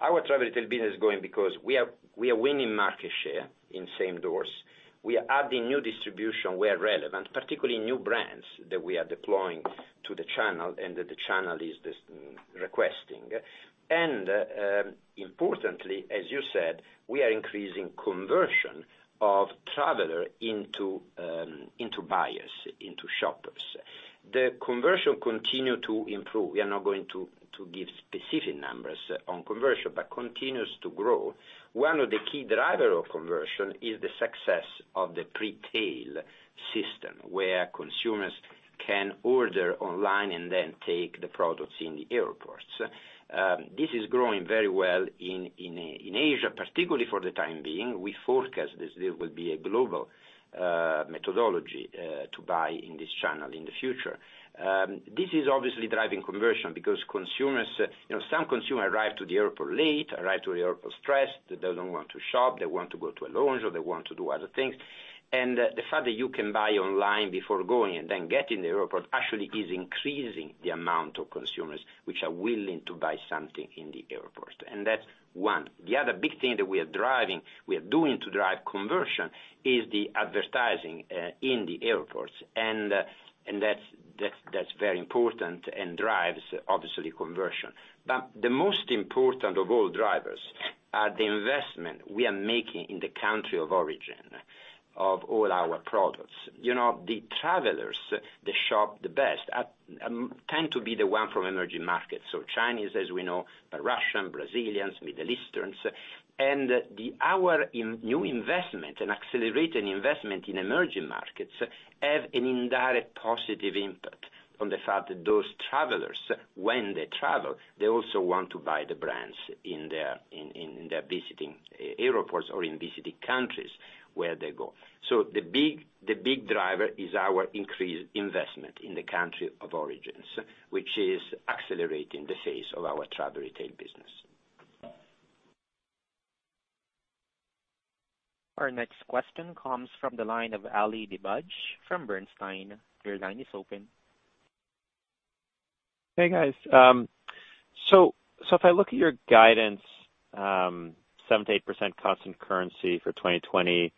Our travel retail business is growing because we are winning market share in same doors. We are adding new distribution where relevant, particularly new brands that we are deploying to the channel, and that the channel is requesting. Importantly, as you said, we are increasing conversion of traveler into buyers, into shoppers. The conversion continue to improve. We are not going to give specific numbers on conversion, but continues to grow. One of the key driver of conversion is the success of the pre-tail system, where consumers can order online and then take the products in the airports. This is growing very well in Asia, particularly for the time being. We forecast this will be a global methodology to buy in this channel in the future. This is obviously driving conversion because some consumer arrive to the airport late, arrive to the airport stressed, they don't want to shop, they want to go to a lounge, or they want to do other things. The fact that you can buy online before going and then get in the airport actually is increasing the amount of consumers which are willing to buy something in the airport. That's one. The other big thing that we are doing to drive conversion is the advertising in the airports. That's very important and drives obviously conversion. The most important of all drivers are the investment we are making in the country of origin of all our products. The travelers that shop the best tend to be the one from emerging markets. Chinese, as we know, Russian, Brazilians, Middle Easterns. Our new investment and accelerated investment in emerging markets have an indirect positive impact on the fact that those travelers, when they travel, they also want to buy the brands in their visiting airports or in visiting countries where they go. The big driver is our increased investment in the country of origins, which is accelerating the phase of our travel retail business. Our next question comes from the line of Ali Dibadj from Bernstein, your line is open. Hey guys? If I look at your guidance, 7%-8% constant currency for 2020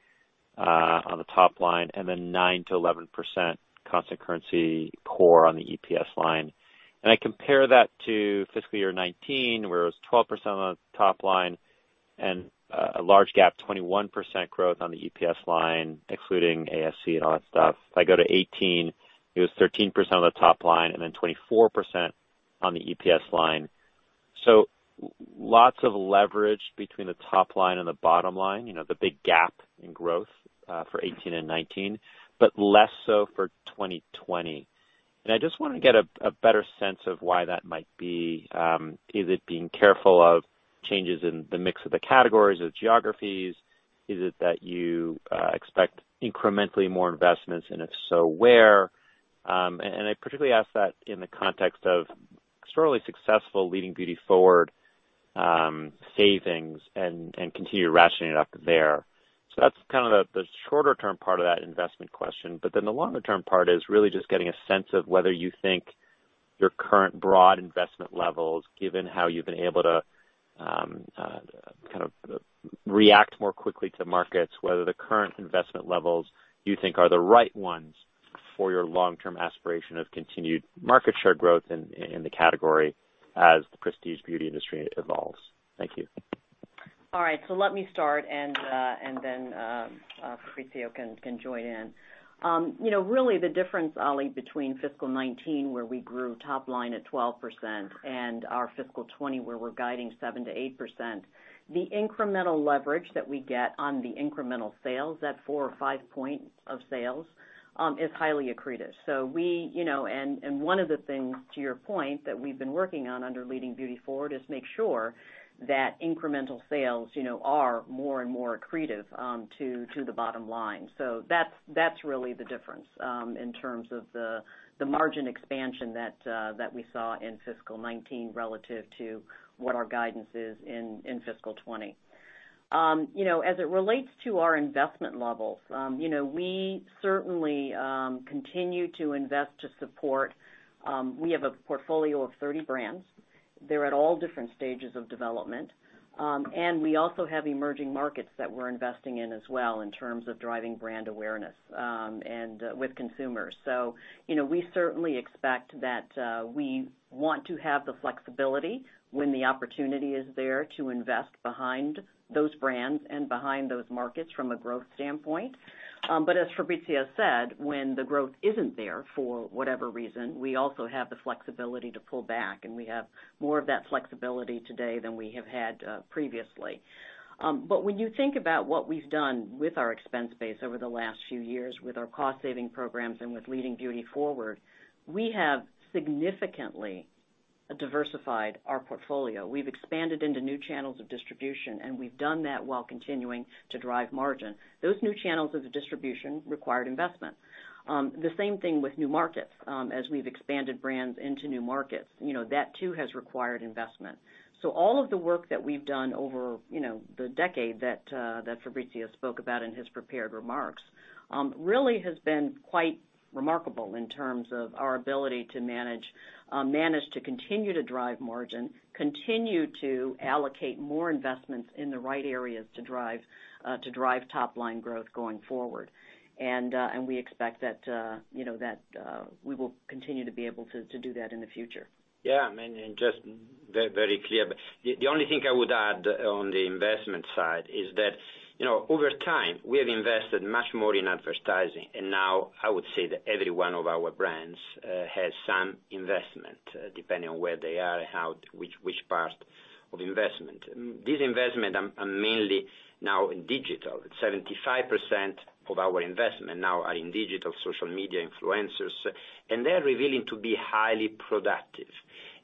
on the top line, and then 9%-11% constant currency core on the EPS line. I compare that to fiscal year 2019, where it was 12% on the top line and a large gap, 21% growth on the EPS line, excluding ASC and all that stuff. If I go to 2018, it was 13% on the top line and then 24% on the EPS line. Lots of leverage between the top line and the bottom line, the big gap in growth for 2018 and 2019, but less so for 2020. I just want to get a better sense of why that might be. Is it being careful of changes in the mix of the categories or the geographies? Is it that you expect incrementally more investments, and if so, where? I particularly ask that in the context of extraordinarily successful Leading Beauty Forward savings and continue rationing it up there. That's kind of the shorter-term part of that investment question. The longer-term part is really just getting a sense of whether you think your current broad investment levels, given how you've been able to kind of react more quickly to markets, whether the current investment levels you think are the right ones for your long-term aspiration of continued market share growth in the category as the prestige beauty industry evolves. Thank you. All right. Let me start, and then Fabrizio can join in. Really the difference, Ali, between fiscal 2019, where we grew top line at 12% and our fiscal 2020, where we're guiding 7%-8%, the incremental leverage that we get on the incremental sales, that four points or five points of sales, is highly accretive. One of the things, to your point, that we've been working on under Leading Beauty Forward is make sure that incremental sales are more and more accretive to the bottom line. That's really the difference in terms of the margin expansion that we saw in fiscal 2019 relative to what our guidance is in fiscal 2020. As it relates to our investment levels, we certainly continue to invest to support. We have a portfolio of 30 brands. They're at all different stages of development. We also have emerging markets that we're investing in as well in terms of driving brand awareness with consumers. We certainly expect that we want to have the flexibility when the opportunity is there to invest behind those brands and behind those markets from a growth standpoint. As Fabrizio said, when the growth isn't there for whatever reason, we also have the flexibility to pull back, and we have more of that flexibility today than we have had previously. When you think about what we've done with our expense base over the last few years with our cost-saving programs and with Leading Beauty Forward, we have significantly diversified our portfolio. We've expanded into new channels of distribution, and we've done that while continuing to drive margin. Those new channels of distribution required investment. The same thing with new markets. As we've expanded brands into new markets, that too has required investment. All of the work that we've done over the decade that Fabrizio spoke about in his prepared remarks, really has been quite remarkable in terms of our ability to manage to continue to drive margin, continue to allocate more investments in the right areas to drive top-line growth going forward. We expect that we will continue to be able to do that in the future. Yeah. Just very clear. The only thing I would add on the investment side is that, over time, we have invested much more in advertising, and now I would say that every one of our brands has some investment, depending on where they are and which part of investment. These investment are mainly now in digital. 75% of our investment now are in digital, social media, influencers, and they're revealing to be highly productive.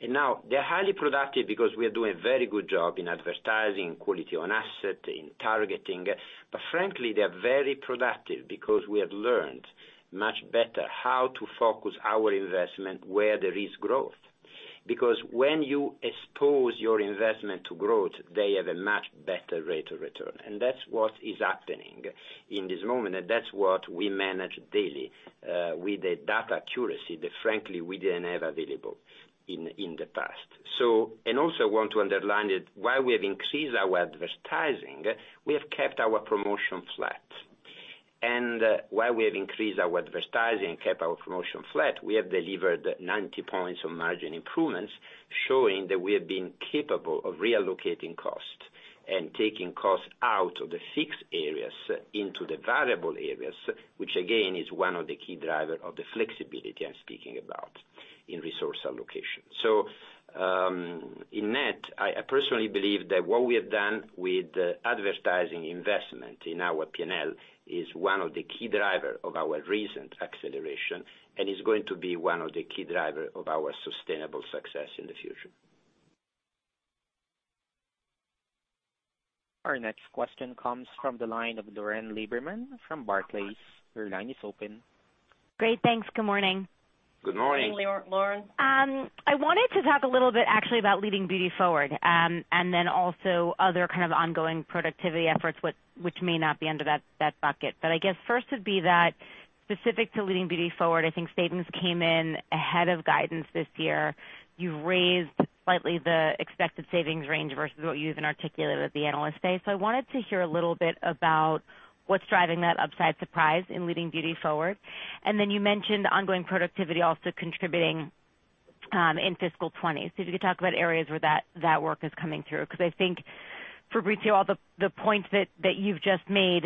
Now they're highly productive because we are doing a very good job in advertising, in quality on asset, in targeting. Frankly, they're very productive because we have learned much better how to focus our investment where there is growth. When you expose your investment to growth, they have a much better rate of return. That's what is happening in this moment, and that's what we manage daily, with a data accuracy that frankly, we didn't have available in the past. Also want to underline that while we have increased our advertising, we have kept our promotion flat. While we have increased our advertising and kept our promotion flat, we have delivered 90 points of margin improvements showing that we have been capable of reallocating cost and taking cost out of the fixed areas into the variable areas, which again, is one of the key driver of the flexibility I'm speaking about in resource allocation. In net, I personally believe that what we have done with advertising investment in our P&L is one of the key driver of our recent acceleration, and is going to be one of the key driver of our sustainable success in the future. Our next question comes from the line of Lauren Lieberman from Barclays, your line is open. Great, thanks. Good morning? Good morning. Good morning, Lauren. I wanted to talk a little bit actually about Leading Beauty Forward, and then also other kind of ongoing productivity efforts which may not be under that bucket. I guess first would be that specific to Leading Beauty Forward, I think statements came in ahead of guidance this year. You've raised slightly the expected savings range versus what you even articulated at the Analyst Day. I wanted to hear a little bit about what's driving that upside surprise in Leading Beauty Forward. You mentioned ongoing productivity also contributing in fiscal 2020. If you could talk about areas where that work is coming through. I think, Fabrizio, all the points that you've just made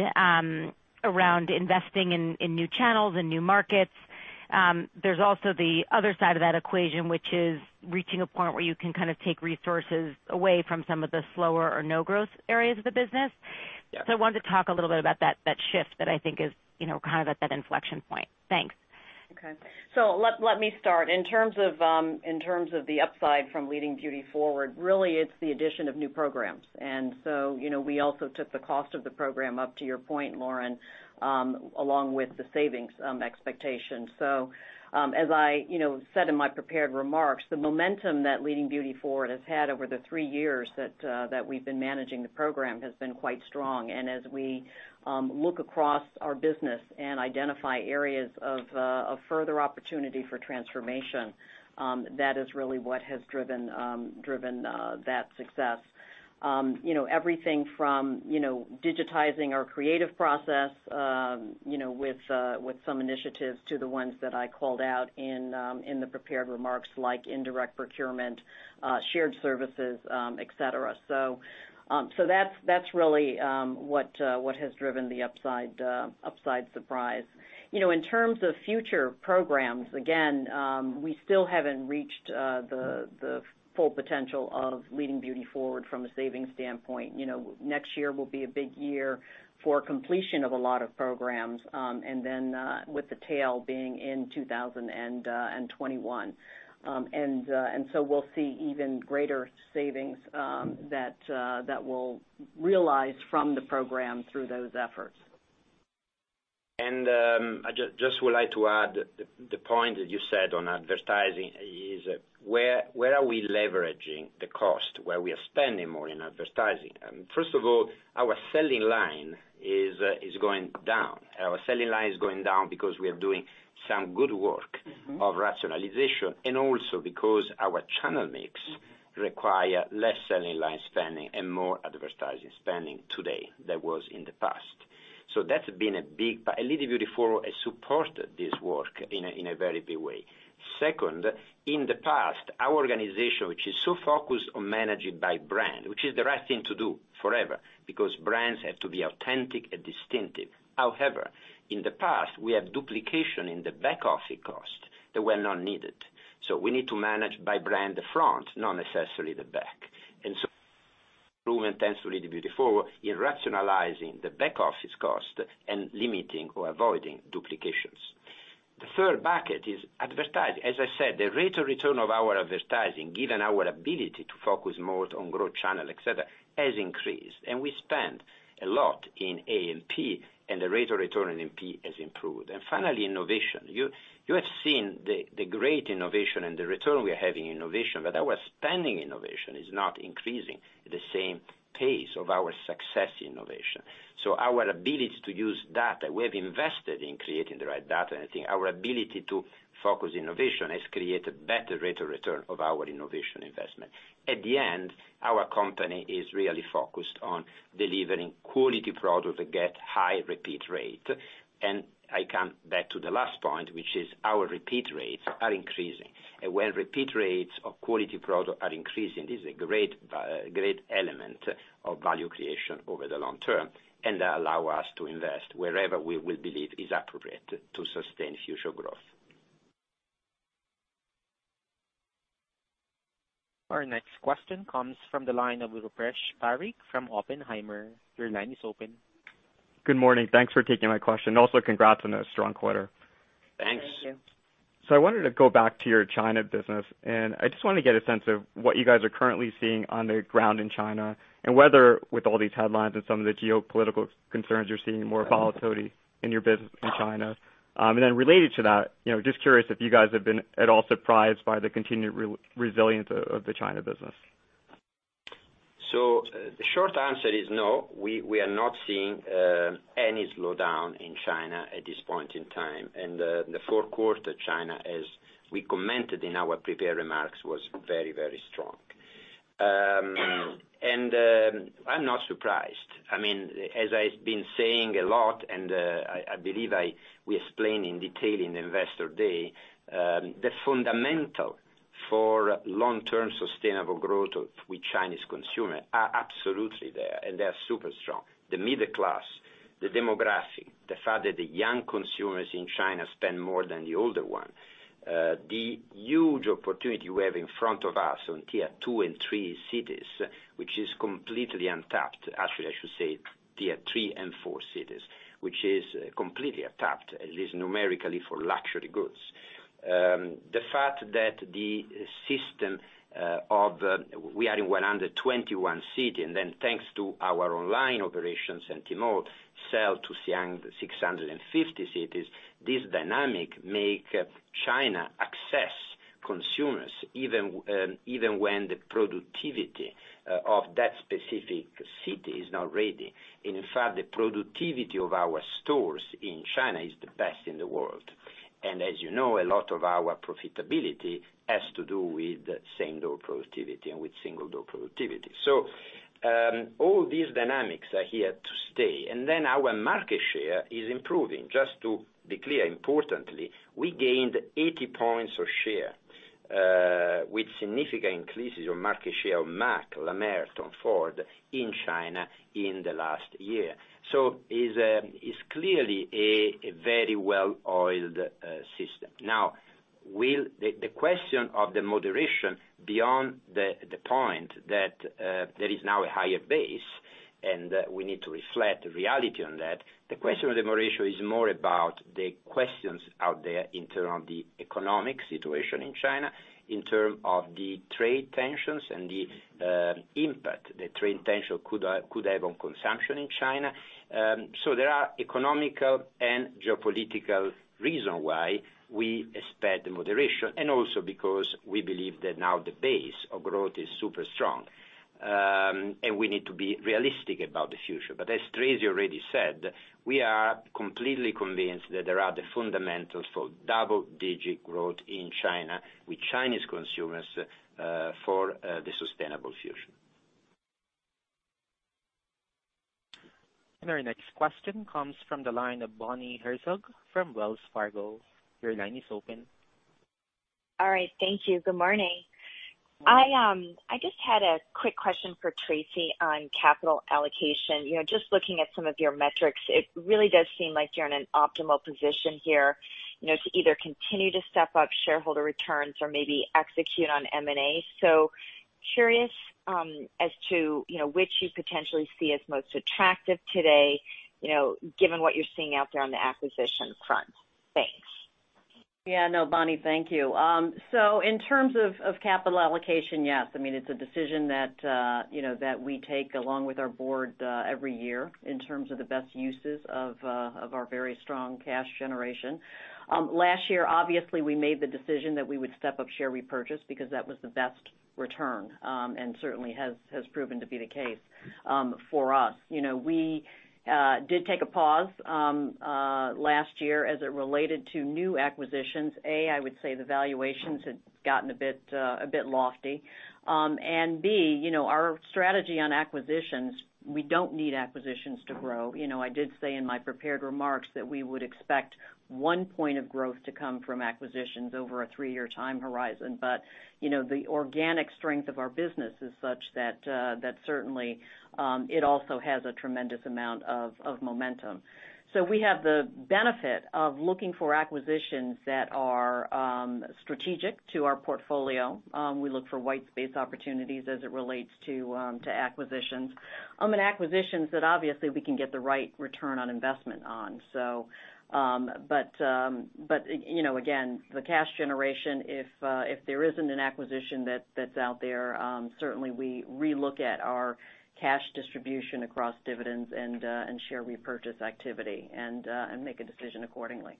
around investing in new channels and new markets, there's also the other side of that equation, which is reaching a point where you can kind of take resources away from some of the slower or no-growth areas of the business. Yeah. I wanted to talk a little bit about that shift that I think is kind of at that inflection point. Thanks. Okay. Let me start. In terms of the upside from Leading Beauty Forward, really, it's the addition of new programs. We also took the cost of the program up to your point, Lauren, along with the savings expectation. As I said in my prepared remarks, the momentum that Leading Beauty Forward has had over the three years that we've been managing the program has been quite strong. As we look across our business and identify areas of further opportunity for transformation, that is really what has driven that success. Everything from digitizing our creative process with some initiatives to the ones that I called out in the prepared remarks, like indirect procurement, shared services, et cetera. That's really what has driven the upside surprise. In terms of future programs, again, we still haven't reached the full potential of Leading Beauty Forward from a savings standpoint. Next year will be a big year for completion of a lot of programs, and then with the tail being in 2021. We'll see even greater savings that we'll realize from the program through those efforts. I just would like to add the point that you said on advertising is where are we leveraging the cost where we are spending more in advertising? First of all, our selling line is going down. Our selling line is going down because we are doing some good work of rationalization, and also because our channel mix require less selling line spending and more advertising spending today than was in the past. Leading Beauty Forward has supported this work in a very big way. Second, in the past, our organization, which is so focused on managing by brand, which is the right thing to do forever because brands have to be authentic and distinctive. In the past, we have duplication in the back office cost that were not needed. We need to manage by brand the front, not necessarily the back. Movement tends to lead Beauty Forward in rationalizing the back-office cost and limiting or avoiding duplications. The third bucket is advertising. As I said, the rate of return of our advertising, given our ability to focus more on growth channel, et cetera, has increased. We spent a lot in A&P, and the rate of return on A&P has improved. Finally, innovation. You have seen the great innovation and the return we are having in innovation, but our spending innovation is not increasing at the same pace of our success innovation. Our ability to use data, we have invested in creating the right data, and I think our ability to focus innovation has created better rate of return of our innovation investment. At the end, our company is really focused on delivering quality products that get high repeat rate. I come back to the last point, which is our repeat rates are increasing. When repeat rates of quality product are increasing, it's a great element of value creation over the long term, and allow us to invest wherever we will believe is appropriate to sustain future growth. Our next question comes from the line of Rupesh Parikh from Oppenheimer, your line is open. Good morning? Thanks for taking my question. Congrats on a strong quarter. Thanks. Thank you I wanted to go back to your China business, and I just want to get a sense of what you guys are currently seeing on the ground in China, and whether with all these headlines and some of the geopolitical concerns, you're seeing more volatility in your business in China? Related to that, just curious if you guys have been at all surprised by the continued resilience of the China business? The short answer is no. We are not seeing any slowdown in China at this point in time. The fourth quarter China, as we commented in our prepared remarks, was very strong. I'm not surprised. As I've been saying a lot, and I believe we explain in detail in Investor Day, the fundamental for long-term sustainable growth with Chinese consumer are absolutely there, and they are super strong. The middle class, the demographic, the fact that the young consumers in China spend more than the older one. The huge opportunity we have in front of us on Tier 2 and Tier 3 cities, which is completely untapped. I should say Tier 3 and Tier 4 cities, which is completely untapped, at least numerically for luxury goods. The fact that we are in 121 city, then thanks to our online operations and Tmall sell to 650 cities, this dynamic make China access consumers even when the productivity of that specific city is not ready. In fact, the productivity of our stores in China is the best in the world. As you know, a lot of our profitability has to do with same door productivity and with single door productivity. All these dynamics are here to stay. Our market share is improving. Just to be clear, importantly, we gained 80 points of share with significant increases on market share of M·A·C, La Mer, Tom Ford in China in the last year. It's clearly a very well-oiled system. The question of the moderation beyond the point that there is now a higher base, and we need to reflect reality on that. The question of the moderation is more about the questions out there in terms of the economic situation in China, in terms of the trade tensions and the impact the trade tension could have on consumption in China. There are economical and geopolitical reasons why we expect the moderation, and also because we believe that now the base of growth is super strong, and we need to be realistic about the future. As Tracey already said, we are completely convinced that there are the fundamentals for double-digit growth in China with Chinese consumers, for the sustainable future. Our very next question comes from the line of Bonnie Herzog from Wells Fargo, your line is open. All right. Thank you. Good morning? I just had a quick question for Tracey on capital allocation. Just looking at some of your metrics, it really does seem like you're in an optimal position here, to either continue to step up shareholder returns or maybe execute on M&A. Curious as to which you potentially see as most attractive today, given what you're seeing out there on the acquisition front. Thanks. No, Bonnie, thank you. In terms of capital allocation, yes, it's a decision that we take along with our Board every year in terms of the best uses of our very strong cash generation. Last year, obviously, we made the decision that we would step up share repurchase because that was the best return, and certainly has proven to be the case for us. We did take a pause last year as it related to new acquisitions. A, I would say the valuations had gotten a bit lofty. B, our strategy on acquisitions, we don't need acquisitions to grow. I did say in my prepared remarks that we would expect one point of growth to come from acquisitions over a three-year time horizon. The organic strength of our business is such that certainly, it also has a tremendous amount of momentum. We have the benefit of looking for acquisitions that are strategic to our portfolio. We look for white space opportunities as it relates to acquisitions, and acquisitions that obviously we can get the right return on investment on. Again, the cash generation, if there isn't an acquisition that's out there, certainly we re-look at our cash distribution across dividends and share repurchase activity and make a decision accordingly.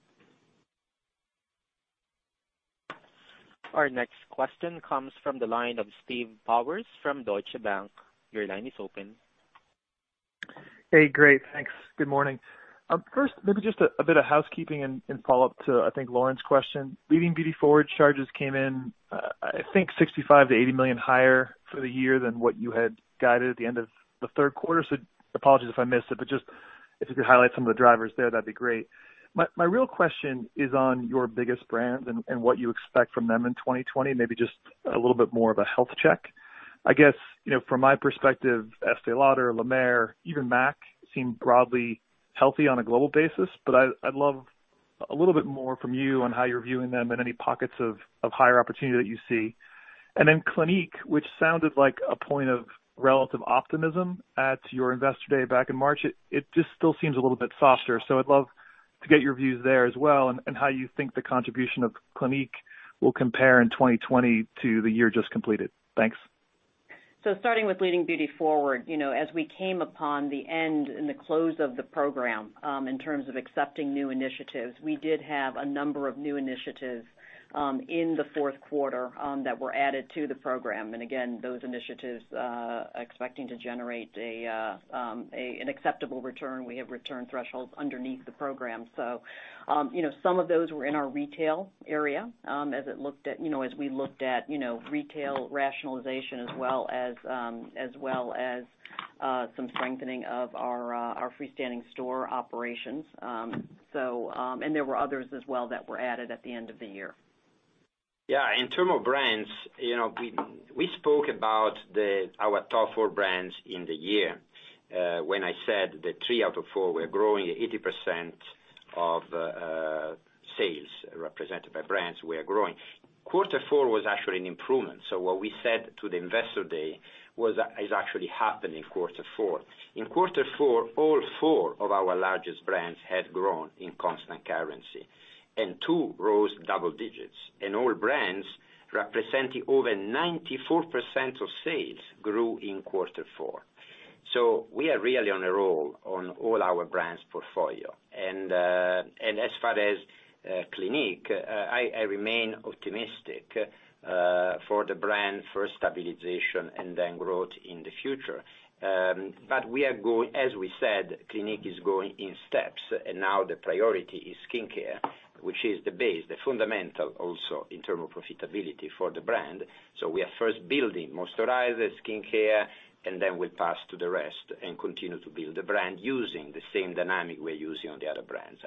Our next question comes from the line of Steve Powers from Deutsche Bank, your line is open. Hey, great. Thanks. Good morning? First, maybe just a bit of housekeeping and follow-up to, I think, Lauren's question. Leading Beauty Forward charges came in, I think, $65 million-$80 million higher for the year than what you had guided at the end of the third quarter. Apologies if I missed it, but just if you could highlight some of the drivers there, that'd be great. My real question is on your biggest brands and what you expect from them in 2020, maybe just a little bit more of a health check. I guess, from my perspective, Estée Lauder, La Mer, even MAC seem broadly healthy on a global basis, but I'd love a little bit more from you on how you're viewing them and any pockets of higher opportunity that you see. Clinique, which sounded like a point of relative optimism at your investor day back in March, it just still seems a little bit softer. I'd love to get your views there as well and how you think the contribution of Clinique will compare in 2020 to the year just completed. Thanks. Starting with Leading Beauty Forward, as we came upon the end and the close of the program, in terms of accepting new initiatives, we did have a number of new initiatives in the fourth quarter that were added to the program. Again, those initiatives are expecting to generate an acceptable return. We have return thresholds underneath the program. Some of those were in our retail area, as we looked at retail rationalization as well as some strengthening of our freestanding store operations. There were others as well that were added at the end of the year. In term of brands, we spoke about our top four brands in the year, when I said that three out of four were growing at 80% of sales represented by brands we are growing. Quarter four was actually an improvement. What we said to the Investor Day has actually happened in quarter four. In quarter four, all four of our largest brands had grown in constant currency, and two rose double digits. All brands representing over 94% of sales grew in quarter four. We are really on a roll on all our brands portfolio. As far as Clinique, I remain optimistic for the brand for stabilization and then growth in the future. As we said, Clinique is growing in steps, and now the priority is skincare, which is the base, the fundamental also in term of profitability for the brand. We are first building moisturizers, skincare, and then we'll pass to the rest and continue to build the brand using the same dynamic we're using on the other brands.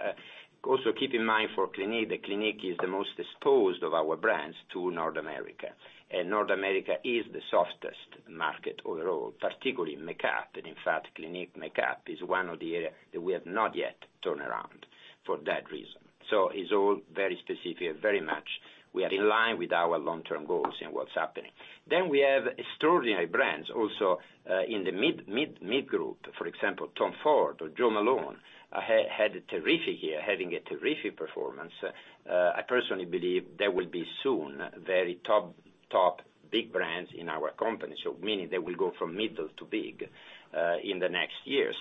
Also, keep in mind for Clinique, that Clinique is the most exposed of our brands to North America, and North America is the softest market overall, particularly makeup. And in fact, Clinique makeup is one of the areas that we have not yet turned around for that reason. It's all very specific, very much we are in line with our long-term goals and what's happening. We have extraordinary brands also, in the mid group. For example, Tom Ford or Jo Malone, had a terrific year, having a terrific performance. I personally believe they will be soon very top big brands in our company. Meaning they will go from middle to big in the next years.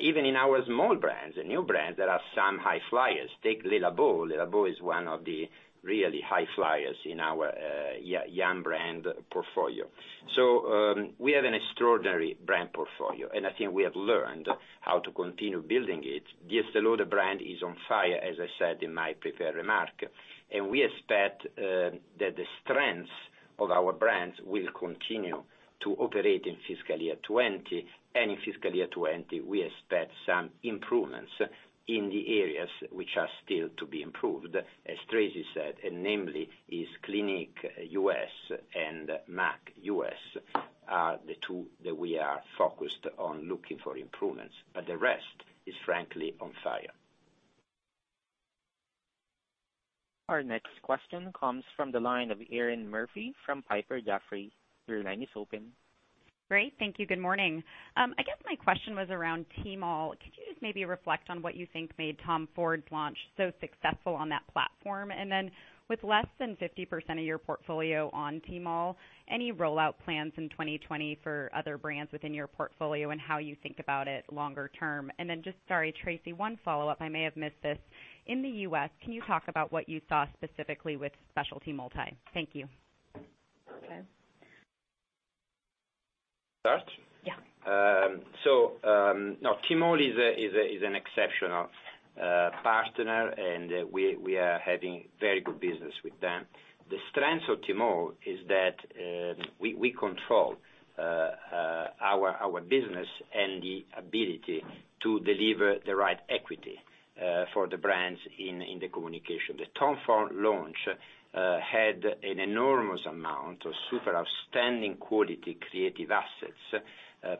Even in our small brands and new brands, there are some high flyers. Take Le Labo. Le Labo is one of the really high flyers in our young brand portfolio. We have an extraordinary brand portfolio, and I think we have learned how to continue building it. The Estée Lauder brand is on fire, as I said in my prepared remark, and we expect that the strengths of our brands will continue to operate in fiscal year 2020. In fiscal year 2020, we expect some improvements in the areas which are still to be improved, as Tracey said, and namely is Clinique U.S. and M·A·C U.S. are the two that we are focused on looking for improvements, but the rest is frankly on fire. Our next question comes from the line of Erinn Murphy from Piper Jaffray, your line is open. Great. Thank you. Good morning. I guess my question was around Tmall. Could you just maybe reflect on what you think made Tom Ford's launch so successful on that platform? With less than 50% of your portfolio on Tmall, any rollout plans in 2020 for other brands within your portfolio and how you think about it longer term? Just, sorry, Tracey, one follow-up, I may have missed this. In the U.S., can you talk about what you saw specifically with specialty multi? Thank you. Okay. I Start? Yeah. No, Tmall is an exceptional partner, and we are having very good business with them. The strength of Tmall is that we control our business and the ability to deliver the right equity for the brands in the communication. The Tom Ford launch had an enormous amount of super outstanding quality creative assets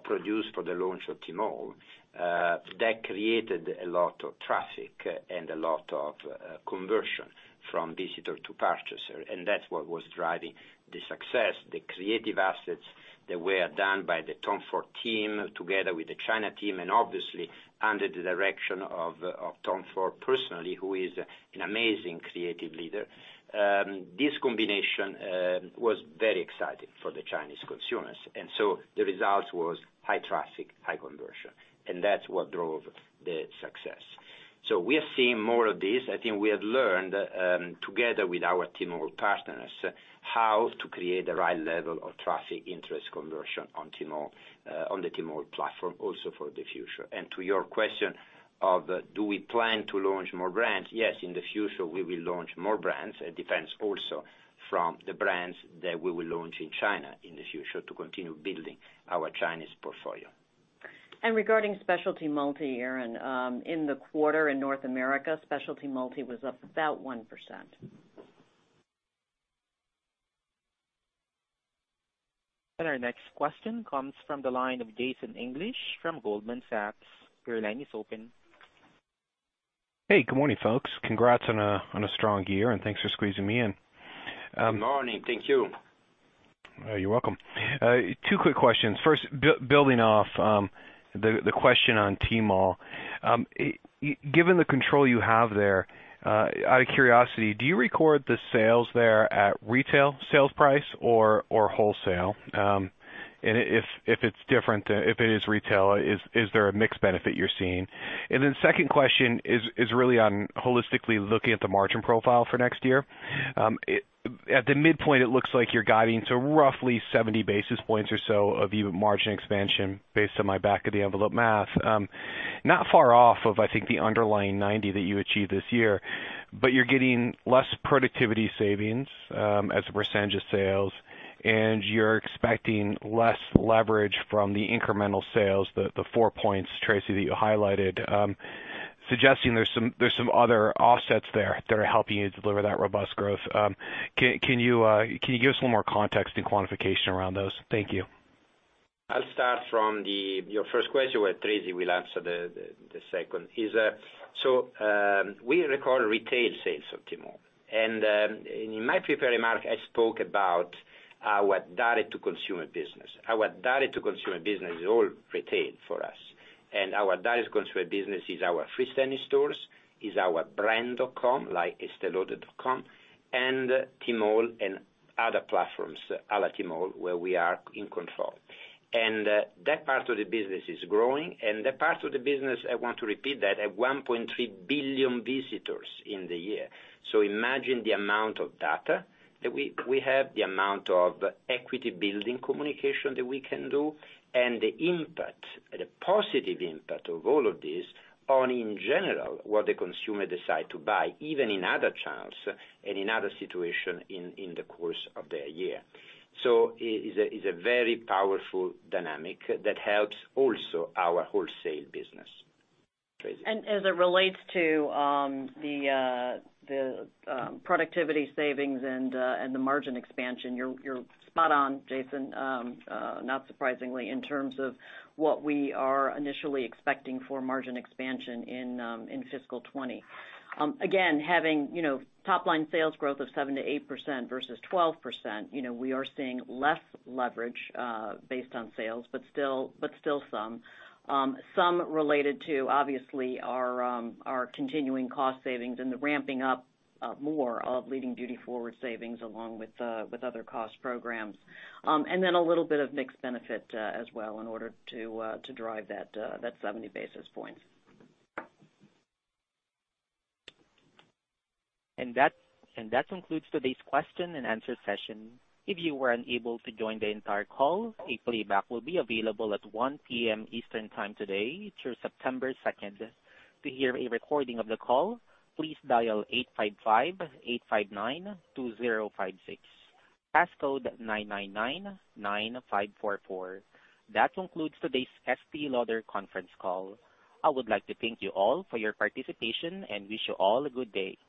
produced for the launch of Tmall that created a lot of traffic and a lot of conversion from visitor to purchaser, and that's what was driving the success. The creative assets that were done by the Tom Ford team together with the China team and obviously under the direction of Tom Ford personally, who is an amazing creative leader. This combination was very exciting for the Chinese consumers. The result was high traffic, high conversion, and that's what drove the success. We are seeing more of this. I think we have learned, together with our Tmall partners, how to create the right level of traffic interest conversion on the Tmall platform also for the future. To your question of do we plan to launch more brands, yes, in the future, we will launch more brands. It depends also from the brands that we will launch in China in the future to continue building our Chinese portfolio. Regarding specialty multi, Erinn, in the quarter in North America, specialty multi was up about 1%. Our next question comes from the line of Jason English from Goldman Sachs, your line is open. Hey, good morning folks? Congrats on a strong year, and thanks for squeezing me in. Good morning. Thank you. You're welcome. Two quick questions. First, building off the question on Tmall. Given the control you have there, out of curiosity, do you record the sales there at retail sales price or wholesale? If it's different, if it is retail, is there a mix benefit you're seeing? Second question is really on holistically looking at the margin profile for next year. At the midpoint, it looks like you're guiding to roughly 70 basis points or so of even margin expansion based on my back of the envelope math. Not far off of, I think, the underlying 90 basis points that you achieved this year. You're getting less productivity savings as a percentage of sales, and you're expecting less leverage from the incremental sales, the four points, Tracey, that you highlighted, suggesting there's some other offsets there that are helping you deliver that robust growth. Can you give us a little more context and quantification around those? Thank you. I'll start from your first question while Tracey will answer the second. We record retail sales of Tmall. In my prepared remark, I spoke about our direct-to-consumer business. Our direct-to-consumer business is all retail for us, and our direct-to-consumer business is our freestanding stores, is our brand.com, like esteelauder.com, and Tmall and other platforms, other Tmall, where we are in control. That part of the business is growing, and that part of the business, I want to repeat that, at 1.3 billion visitors in the year. Imagine the amount of data that we have, the amount of equity building communication that we can do, and the impact, the positive impact of all of this on, in general, what the consumer decide to buy, even in other channels and in other situation in the course of their year. It's a very powerful dynamic that helps also our wholesale business. Tracey? As it relates to the productivity savings and the margin expansion, you're spot on, Jason, not surprisingly, in terms of what we are initially expecting for margin expansion in fiscal 2020. Having top-line sales growth of 7%-8% versus 12%, we are seeing less leverage based on sales, but still some. Some related to, obviously, our continuing cost savings and the ramping up more of Leading Beauty Forward savings along with other cost programs. A little bit of mixed benefit as well in order to drive that 70 basis points. That concludes today's question and answer session. If you were unable to join the entire call, a playback will be available at 1:00 P.M. Eastern time today through September 2. To hear a recording of the call, please dial eight five five-eight five nine-two zero five six. Passcode nine nine nine nine 544. That concludes today's Estée Lauder conference call. I would like to thank you all for your participation and wish you all a good day.